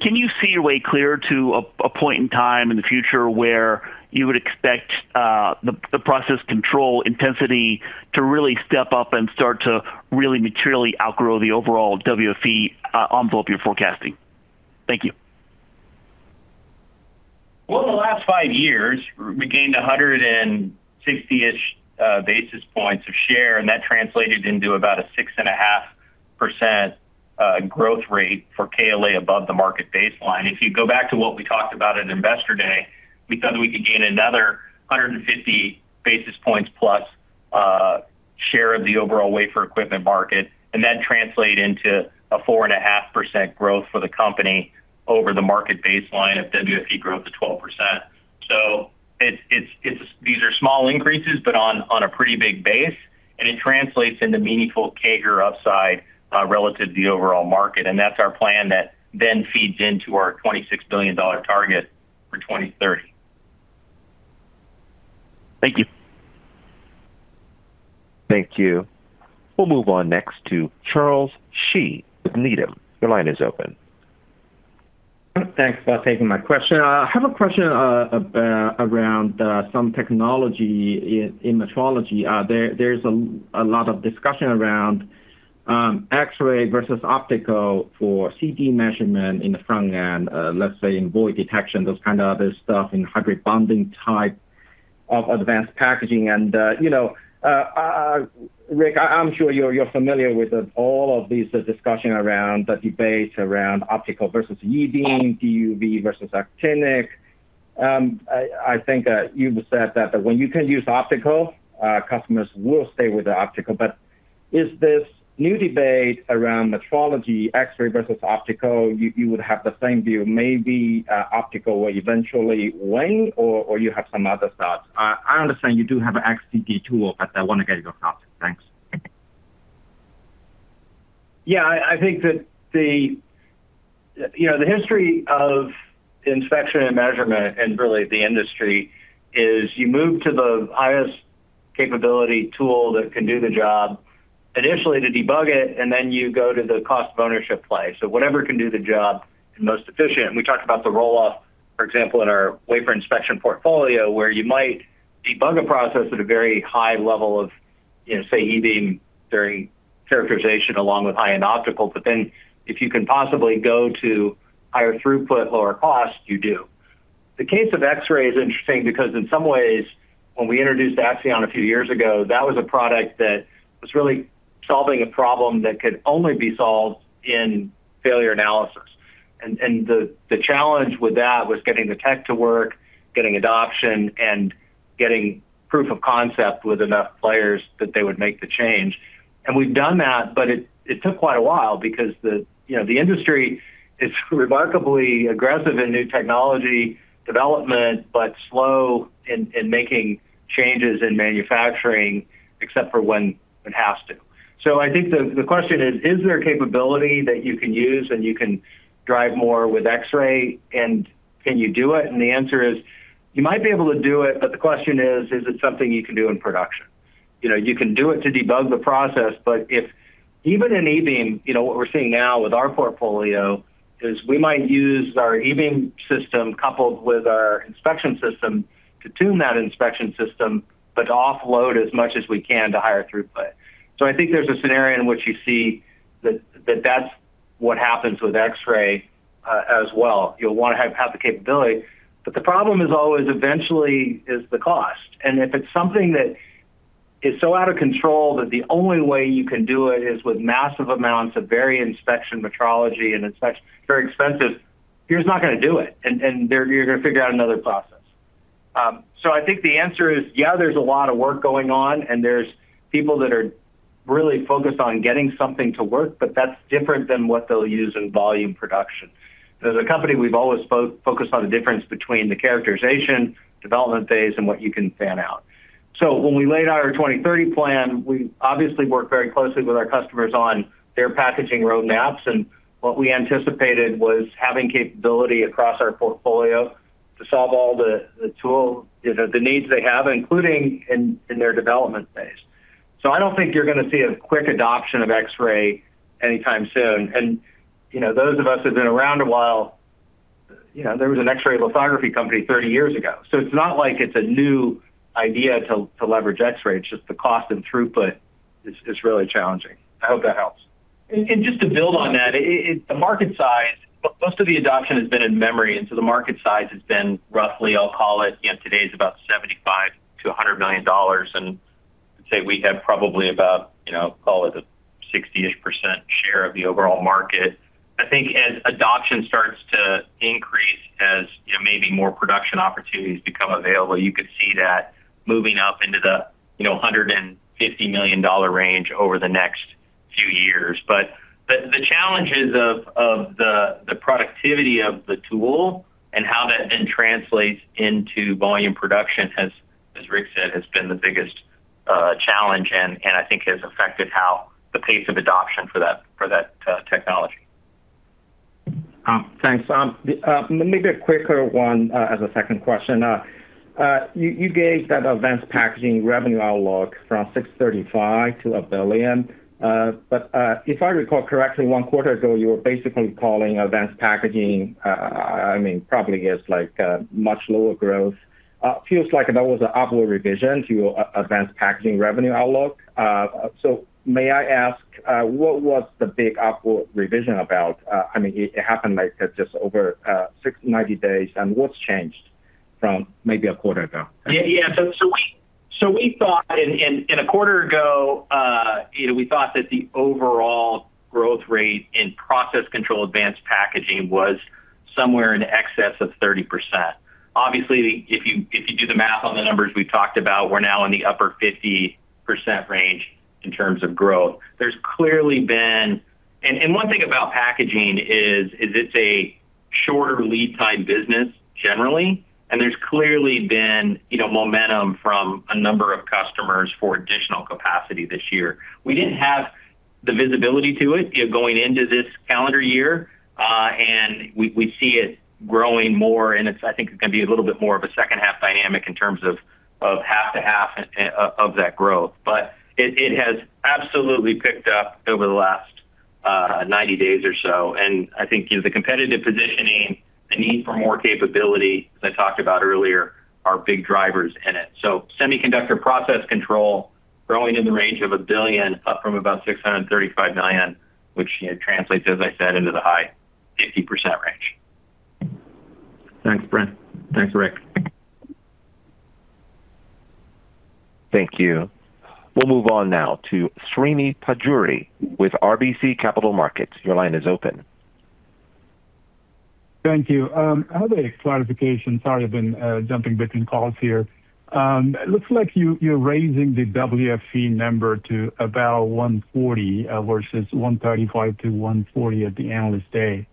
can you see a way clear to a point in time in the future where you would expect the process control intensity to really step up and start to really materially outgrow the overall WFE envelope you're forecasting? Thank you. Well, in the last five years, we gained 160-ish basis points of share, and that translated into about a 6.5% growth rate for KLA above the market baseline. If you go back to what we talked about at Investor Day, we thought we could gain another 150 basis points plus share of the overall wafer equipment market, and that translated into a 4.5% growth for the company over the market baseline if WFE grew up to 12%. So these are small increases, but on a pretty big base, and it translates into meaningful CAGR upside, relative to the overall market, and that's our plan that then feeds into our $26 billion target for 2030. Thank you. Thank you. We'll move on next to Charles Shi with Needham. Your line is open. Thanks for taking my question. I have a question around some technology in metrology. There's a lot of discussion around X-ray versus optical for CD measurement in the front end, let's say in void detection, those kind of other stuff, in Hybrid Bonding type of advanced packaging. You know, Rick, I'm sure you're familiar with all of these, the discussion around the debate around optical versus e-beam, DUV versus Actinic. I think you've said that when you can use optical, customers will stay with the optical. Is this new debate around metrology, x-ray versus optical, you would have the same view, maybe optical will eventually win, or you have some other thoughts? I understand you do have a X-ray CT tool, but I wanna get your thoughts. Thanks. Yeah. I think that the, you know, the history of inspection and measurement, and really the industry, is you move to the highest capability tool that can do the job, initially to debug it, and then you go to the cost of ownership play. Whatever can do the job in most efficient. We talked about the roll-off, for example, in our wafer inspection portfolio, where you might debug a process at a very high level of, you know, say, E-beam during characterization along with high-end optical. If you can possibly go to higher throughput, lower cost, you do. The case of X-ray is interesting because in some ways, when we introduced Axion a few years ago, that was a product that was really solving a problem that could only be solved in failure analysis. The challenge with that was getting the tech to work, getting adoption, and getting proof of concept with enough players that they would make the change. We've done that, but it took quite a while because the, you know, the industry is remarkably aggressive in new technology development, but slow in making changes in manufacturing, except for when it has to. I think the question is there capability that you can use and you can drive more with X-ray, and can you do it? The answer is, you might be able to do it, but the question is it something you can do in production? You know, you can do it to debug the process, but if even in e-beam, you know, what we're seeing now with our portfolio is we might use our e-beam system coupled with our inspection system to tune that inspection system, but to offload as much as we can to higher throughput. I think there's a scenario in which you see that that's what happens with X-ray, as well. You'll wanna have the capability. The problem is always eventually is the cost. If it's something that is so out of control that the only way you can do it is with massive amounts of varied inspection metrology, and it's like very expensive, you're just not gonna do it and, you're gonna figure out another process. I think the answer is, yeah, there's a lot of work going on, and there's people that are really focused on getting something to work, but that's different than what they'll use in volume production. As a company, we've always focused on the difference between the characterization, development phase, and what you can fan out. When we laid out our 2030 plan, we obviously worked very closely with our customers on their packaging roadmaps, and what we anticipated was having capability across our portfolio to solve all the tool, you know, the needs they have, including in their development phase. I don't think you're gonna see a quick adoption of X-ray anytime soon. You know, those of us who have been around a while, you know, there was an X-ray lithography company 30 years ago. It's not like it's a new idea to leverage X-ray, it's just the cost and throughput is really challenging. I hope that helps. Just to build on that, the market size, most of the adoption has been in memory, the market size has been roughly, I'll call it, you know, today it's about $75 million-$100 million. I'd say we have probably about, you know, call it a 60-ish% share of the overall market. I think as adoption starts to increase, as, you know, maybe more production opportunities become available, you could see that moving up into the, you know, $150 million range over the next few years. The challenges of the productivity of the tool and how that then translates into volume production has, as Rick said, has been the biggest challenge and I think has affected how the pace of adoption for that technology. Thanks. Maybe a quicker one as a second question. You gave that advanced packaging revenue outlook from $635 million-$1 billion. If I recall correctly, one quarter ago, you were basically calling advanced packaging, I mean, probably as like much lower growth. Feels like that was a upward revision to advanced packaging revenue outlook. May I ask what was the big upward revision about? I mean, it happened like just over six, 90 days, and what's changed from maybe a quarter ago? Yeah. Yeah. We thought, a quarter ago, you know, we thought that the overall growth rate in process control advanced packaging was somewhere in excess of 30%. If you do the math on the numbers we've talked about, we're now in the upper 50% range in terms of growth. One thing about packaging, it's a shorter lead time business generally. There's clearly been, you know, momentum from a number of customers for additional capacity this year. We didn't have the visibility to it, you know, going into this calendar year. We see it growing more, I think it's going to be a little bit more of a second half dynamic in terms of half to half of that growth. It, it has absolutely picked up over the last 90 days or so. I think, you know, the competitive positioning, the need for more capability, as I talked about earlier, are big drivers in it. Semiconductor Process Control growing in the range of $1 billion, up from about $635 million, which, you know, translates, as I said, into the high 50% range. Thanks, Bren. Thanks, Rick. Thank you. We'll move on now to Srini Pajjuri with RBC Capital Markets. Your line is open. Thank you. I have a clarification. Sorry, I've been jumping between calls here. It looks like you're raising the WFE number to about $140billion, versus $135billion-$140billion at the Analyst Day.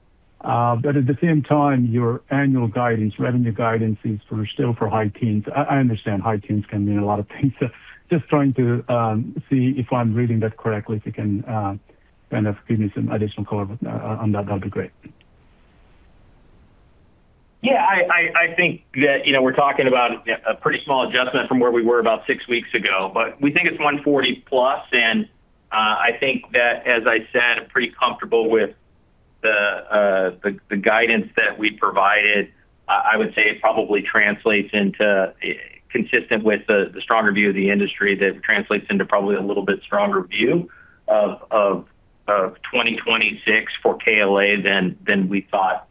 At the same time, your annual guidance, revenue guidance is still for high teens. I understand high teens can mean a lot of things. Just trying to see if I'm reading that correctly. If you can kind of give me some additional color on that'd be great. Yeah. I think that, you know, we're talking about a pretty small adjustment from where we were about six weeks ago. We think it's $140 billion+, and I think that, as I said, I'm pretty comfortable with the guidance that we provided. I would say it probably translates into consistent with the stronger view of the industry that translates into probably a little bit stronger view of 2026 for KLA than we thought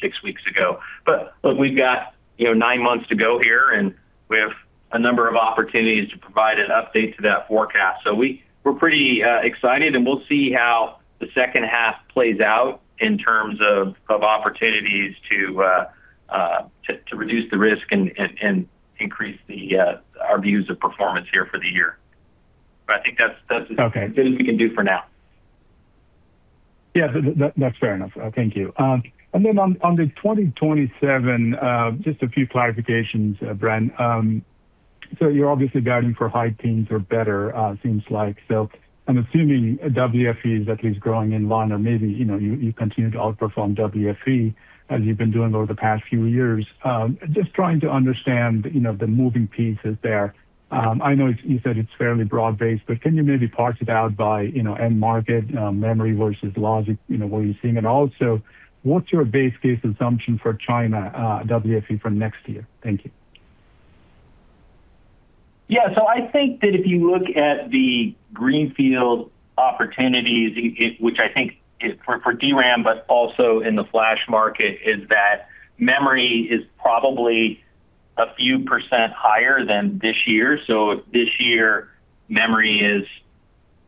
six weeks ago. Look, we've got, you know, nine months to go here, and we have a number of opportunities to provide an update to that forecast. We're pretty excited, and we'll see how the second half plays out in terms of opportunities to reduce the risk and increase our views of performance here for the year. I think that's. Okay As good as we can do for now. Yeah. That's fair enough. Thank you. Then on the 2027, just a few clarifications, Bren Higgins. You're obviously guiding for high teens or better, seems like. I'm assuming WFE is at least growing in line, or maybe, you know, you continue to outperform WFE as you've been doing over the past few years. Just trying to understand, you know, the moving pieces there. I know you said it's fairly broad-based, can you maybe parse it out by, you know, end market, memory versus logic, you know, what you're seeing. Also, what's your base case assumption for China, WFE for next year? Thank you. Yeah. I think that if you look at the greenfield opportunities, which I think is for DRAM, but also in the flash market, is that memory is probably a few percent higher than this year. If this year memory is,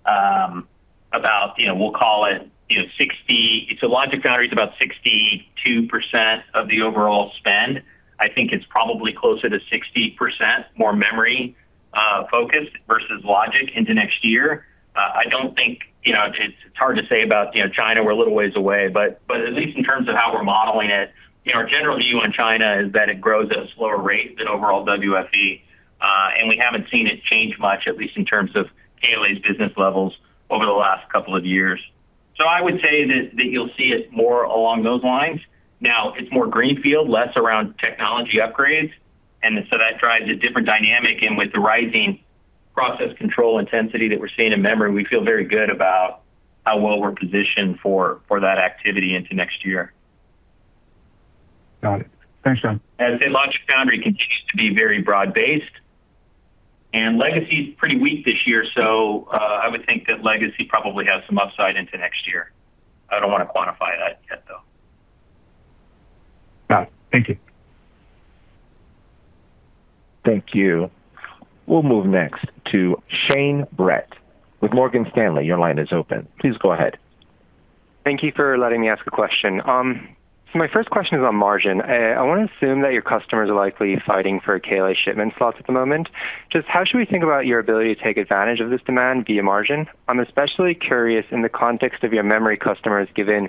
about, you know, we'll call it, you know, logic foundry is about 62% of the overall spend. I think it's probably closer to 60% more memory focused versus logic into next year. I don't think, you know, it's hard to say about, you know, China. We're a little ways away, but at least in terms of how we're modeling it, you know, our general view on China is that it grows at a slower rate than overall WFE. We haven't seen it change much, at least in terms of KLA's business levels over the last couple of years. I would say that you'll see it more along those lines. It's more greenfield, less around technology upgrades, and so that drives a different dynamic. With the rising process control intensity that we're seeing in memory, we feel very good about how well we're positioned for that activity into next year. Got it. Thanks, Bren Higgins. As in foundry logic continues to be very broad-based, and legacy is pretty weak this year, I would think that legacy probably has some upside into next year. I don't wanna quantify that yet, though. Got it. Thank you. Thank you. We'll move next to Shane Brett with Morgan Stanley. Your line is open. Please go ahead. Thank you for letting me ask a question. My first question is on margin. I wanna assume that your customers are likely fighting for KLA shipment slots at the moment. Just how should we think about your ability to take advantage of this demand via margin? I'm especially curious in the context of your memory customers, given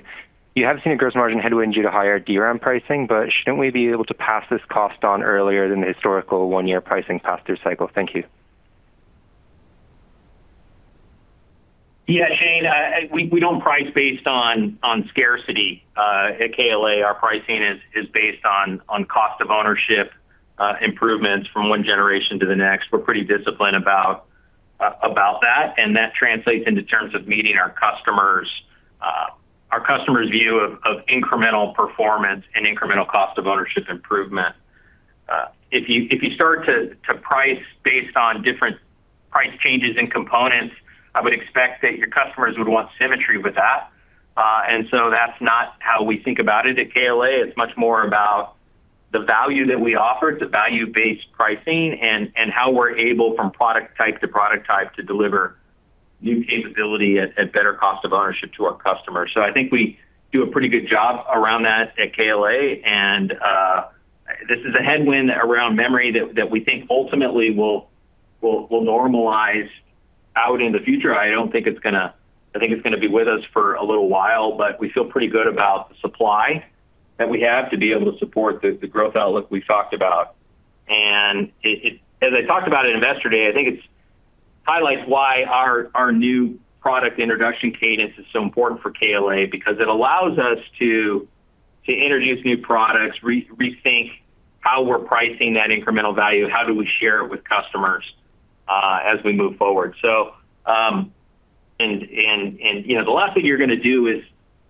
you have seen a gross margin headwind due to higher DRAM pricing, shouldn't we be able to pass this cost on earlier than the historical one year pricing pass-through cycle? Thank you. Shane. We don't price based on scarcity at KLA. Our pricing is based on cost of ownership improvements from one generation to the next. We're pretty disciplined about that, and that translates into terms of meeting our customers' view of incremental performance and incremental cost of ownership improvement. If you start to price based on different price changes in components, I would expect that your customers would want symmetry with that. That's not how we think about it at KLA. It's much more about the value that we offer, it's a value-based pricing and how we're able from product type to product type to deliver new capability at better cost of ownership to our customers. I think we do a pretty good job around that at KLA, and this is a headwind around memory that we think ultimately will normalize out in the future. I don't think it's gonna be with us for a little while, but we feel pretty good about the supply that we have to be able to support the growth outlook we've talked about. As I talked about at Investor Day, I think it highlights why our new product introduction cadence is so important for KLA because it allows us to introduce new products, rethink how we're pricing that incremental value, how do we share it with customers as we move forward. And, you know, the last thing you're gonna do is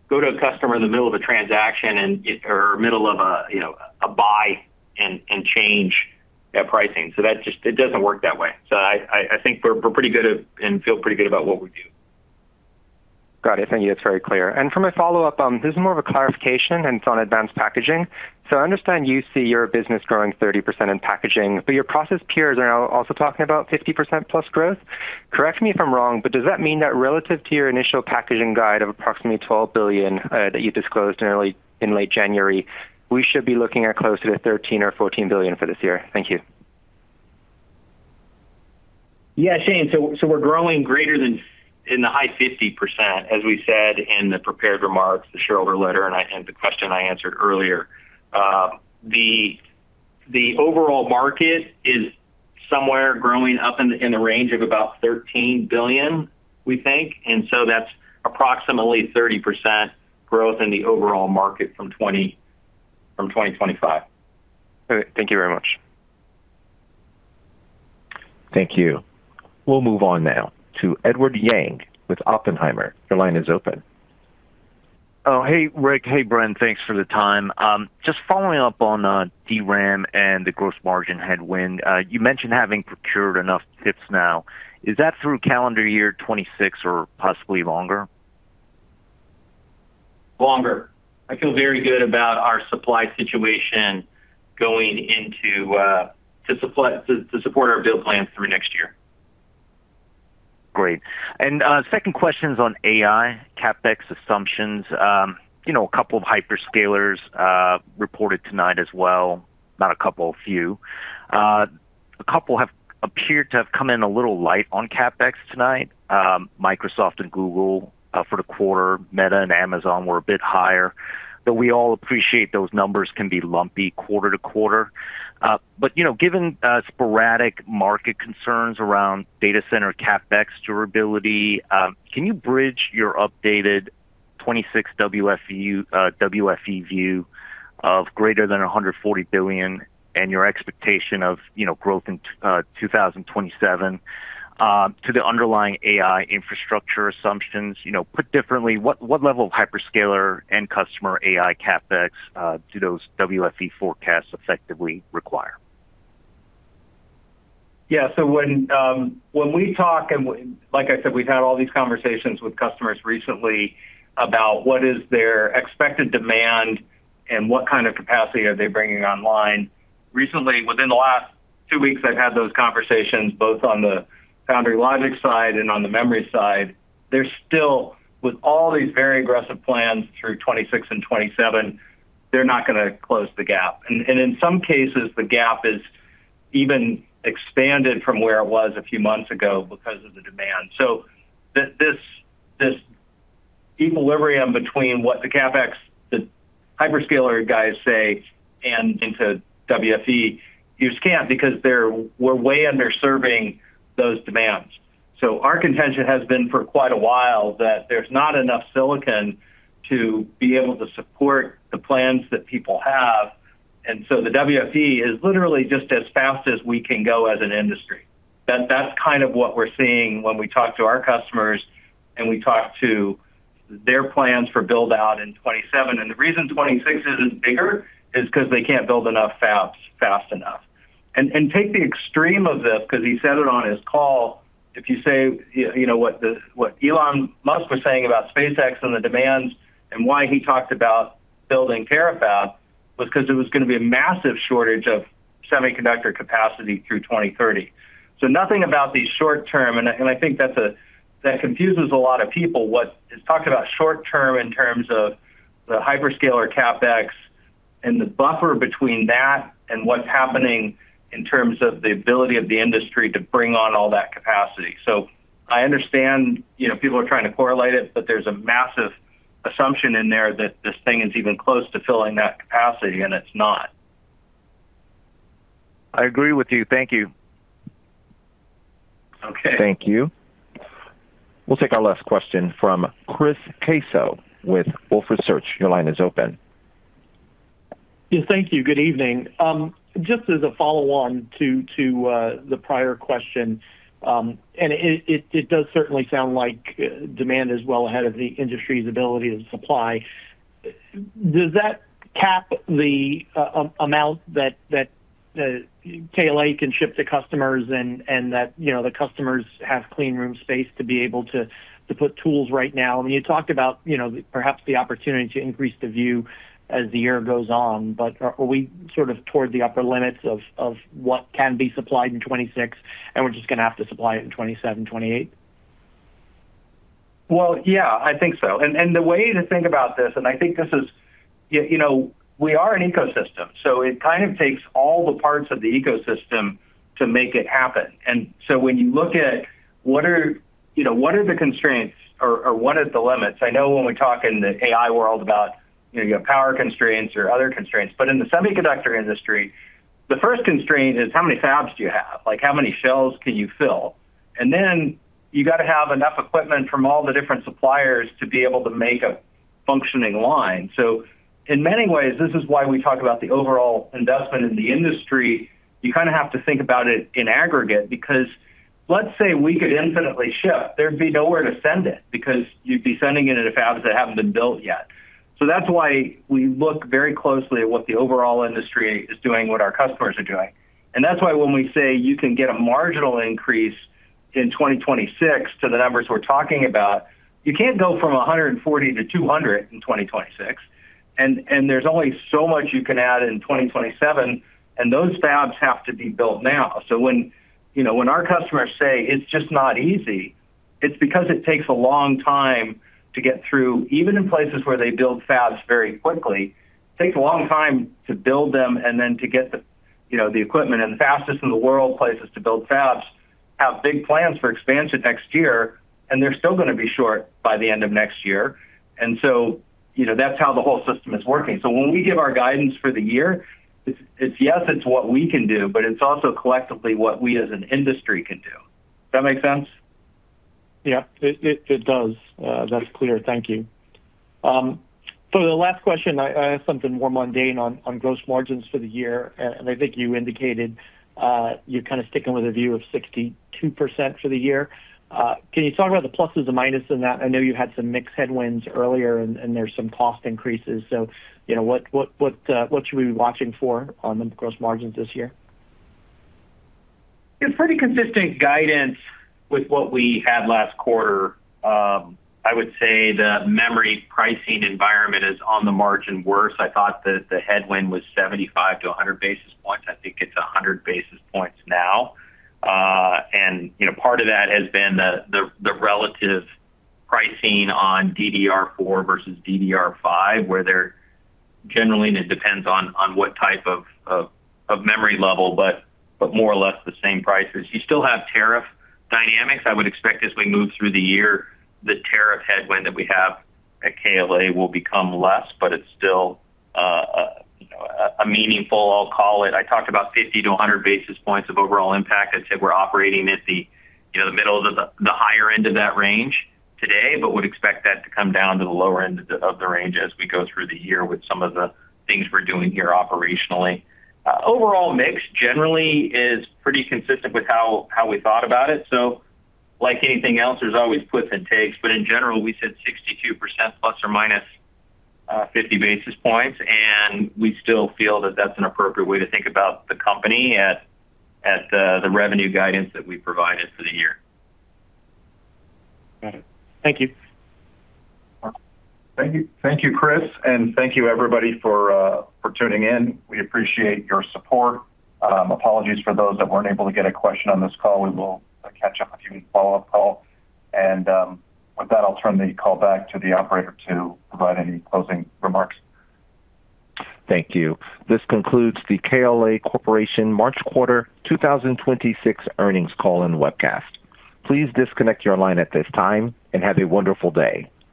go to a customer in the middle of a transaction or middle of a, you know, a buy and change that pricing. It doesn't work that way. I think we're pretty good at, and feel pretty good about what we do. Got it. Thank you. That's very clear. For my follow-up, this is more of a clarification, and it's on advanced packaging. I understand you see your business growing 30% in packaging, but your process peers are now also talking about 50%+ growth. Correct me if I'm wrong, does that mean that relative to your initial packaging guide of approximately $12 billion, that you disclosed in late January, we should be looking at closer to $13 billion or $14 billion for this year? Thank you. Shane, so we're growing greater than in the high 50%, as we said in the prepared remarks, the shareholder letter and the question I answered earlier. The overall market is somewhere growing up in the range of about $13 billion, we think. That's approximately 30% growth in the overall market from 2025. All right. Thank you very much. Thank you. We'll move on now to Edward Yang with Oppenheimer. Your line is open. Hey, Rick Wallace. Hey, Bren Higgins. Thanks for the time. Just following up on DRAM and the gross margin headwind. You mentioned having procured enough tips now. Is that through calendar year 2026 or possibly longer? Longer. I feel very good about our supply situation going into, to support our build plans through next year. Great. Second question's on AI CapEx assumptions. You know, a couple of hyperscalers reported tonight as well. Not a couple, a few. A couple have appeared to have come in a little light on CapEx tonight, Microsoft and Google, for the quarter. Meta and Amazon were a bit higher. We all appreciate those numbers can be lumpy quarter-to-quarter. You know, given sporadic market concerns around data center CapEx durability, can you bridge your updated 2026 WFE view of greater than $140 billion and your expectation of, you know, growth in 2027, to the underlying AI infrastructure assumptions? You know, put differently, what level of hyperscaler end customer AI CapEx do those WFE forecasts effectively require? Yeah. When we talk and like I said, we've had all these conversations with customers recently about what is their expected demand and what kind of capacity are they bringing online. Recently, within the last two weeks, I've had those conversations both on the foundry logic side and on the memory side. They're still, with all these very aggressive plans through 2026 and 2027, they're not gonna close the gap. In some cases, the gap is even expanded from where it was a few months ago because of the demand. This equilibrium between what the CapEx, the hyperscaler guys say and into WFE, you just can't because we're way under serving those demands. Our contention has been for quite a while that there's not enough silicon to be able to support the plans that people have. The WFE is literally just as fast as we can go as an industry. That's kind of what we're seeing when we talk to our customers and we talk to their plans for build-out in 2027. The reason 2026 isn't bigger is 'cause they can't build enough fabs fast enough. And take the extreme of this, 'cause he said it on his call. If you say, you know, what Elon Musk was saying about SpaceX and the demands and why he talked about building Terafab was 'cause it was gonna be a massive shortage of semiconductor capacity through 2030. Nothing about the short term, I think that confuses a lot of people, what is talked about short term in terms of the hyperscaler CapEx and the buffer between that and what's happening in terms of the ability of the industry to bring on all that capacity. I understand, you know, people are trying to correlate it, but there's a massive assumption in there that this thing is even close to filling that capacity, and it's not. I agree with you. Thank you. Okay. Thank you. We'll take our last question from Chris Caso with Wolfe Research. Your line is open. Yeah, thank you. Good evening. Just as a follow-on to the prior question, it does certainly sound like demand is well ahead of the industry's ability to supply. Does that cap the amount that KLA can ship to customers and that, you know, the customers have clean room space to be able to put tools right now? I mean, you talked about, you know, perhaps the opportunity to increase the view as the year goes on. Are we sort of toward the upper limits of what can be supplied in 2026 and we're just gonna have to supply it in 2027, 2028? Well, yeah, I think so. The way to think about this, and I think this is, you know, we are an ecosystem, so it kind of takes all the parts of the ecosystem to make it happen. When you look at what are, you know, what are the constraints or what are the limits? I know when we talk in the AI world about, you know, you have power constraints or other constraints. In the semiconductor industry, the first constraint is how many fabs do you have? Like, how many shelves can you fill? Then you got to have enough equipment from all the different suppliers to be able to make a functioning line. In many ways, this is why we talk about the overall investment in the industry. You kind of have to think about it in aggregate because let's say we could infinitely ship, there'd be nowhere to send it because you'd be sending it at a fab that haven't been built yet. That's why we look very closely at what the overall industry is doing, what our customers are doing. That's why when we say you can get a marginal increase in 2026 to the numbers we're talking about, you can't go from $140billion-$200billion in 2026, and there's only so much you can add in 2027, and those fabs have to be built now. When, you know, when our customers say, "It's just not easy," it's because it takes a long time to get through. Even in places where they build fabs very quickly, it takes a long time to build them and then to get the, you know, the equipment. The fastest in the world places to build fabs have big plans for expansion next year, and they're still going to be short by the end of next year. You know, that's how the whole system is working. When we give our guidance for the year, it's yes, it's what we can do, but it's also collectively what we as an industry can do. Does that make sense? Yeah, it does. That's clear. Thank you. For the last question, I have something more mundane on gross margins for the year. I think you indicated, you're kind of sticking with a view of 62% for the year. Can you talk about the pluses and minus in that? I know you had some mixed headwinds earlier and there's some cost increases. You know, what should we be watching for on the gross margins this year? It's pretty consistent guidance with what we had last quarter. I would say the memory pricing environment is on the margin worse. I thought that the headwind was 75 to 100 basis points. I think it's 100 basis points now. You know, part of that has been the relative pricing on DDR4 versus DDR5, where they're generally, and it depends on what type of memory level, but more or less the same prices. You still have tariff dynamics. I would expect as we move through the year, the tariff headwind that we have at KLA will become less, but it's still, you know, a meaningful, I'll call it. I talked about 50 to 100 basis points of overall impact. I'd say we're operating at the, you know, the middle of the higher end of that range today, but would expect that to come down to the lower end of the range as we go through the year with some of the things we're doing here operationally. Overall mix generally is pretty consistent with how we thought about it. Like anything else, there's always puts and takes. In general, we said 62% ± 50 basis points, and we still feel that that's an appropriate way to think about the company at the revenue guidance that we provided for the year. Got it. Thank you. Mark. Thank you. Thank you, Chris, and thank you everybody for tuning in. We appreciate your support. Apologies for those that weren't able to get a question on this call. We will catch up with you in a follow-up call. With that, I'll turn the call back to the operator to provide any closing remarks. Thank you. This concludes the KLA Corporation March quarter 2026 earnings call and webcast. Please disconnect your line at this time, and have a wonderful day.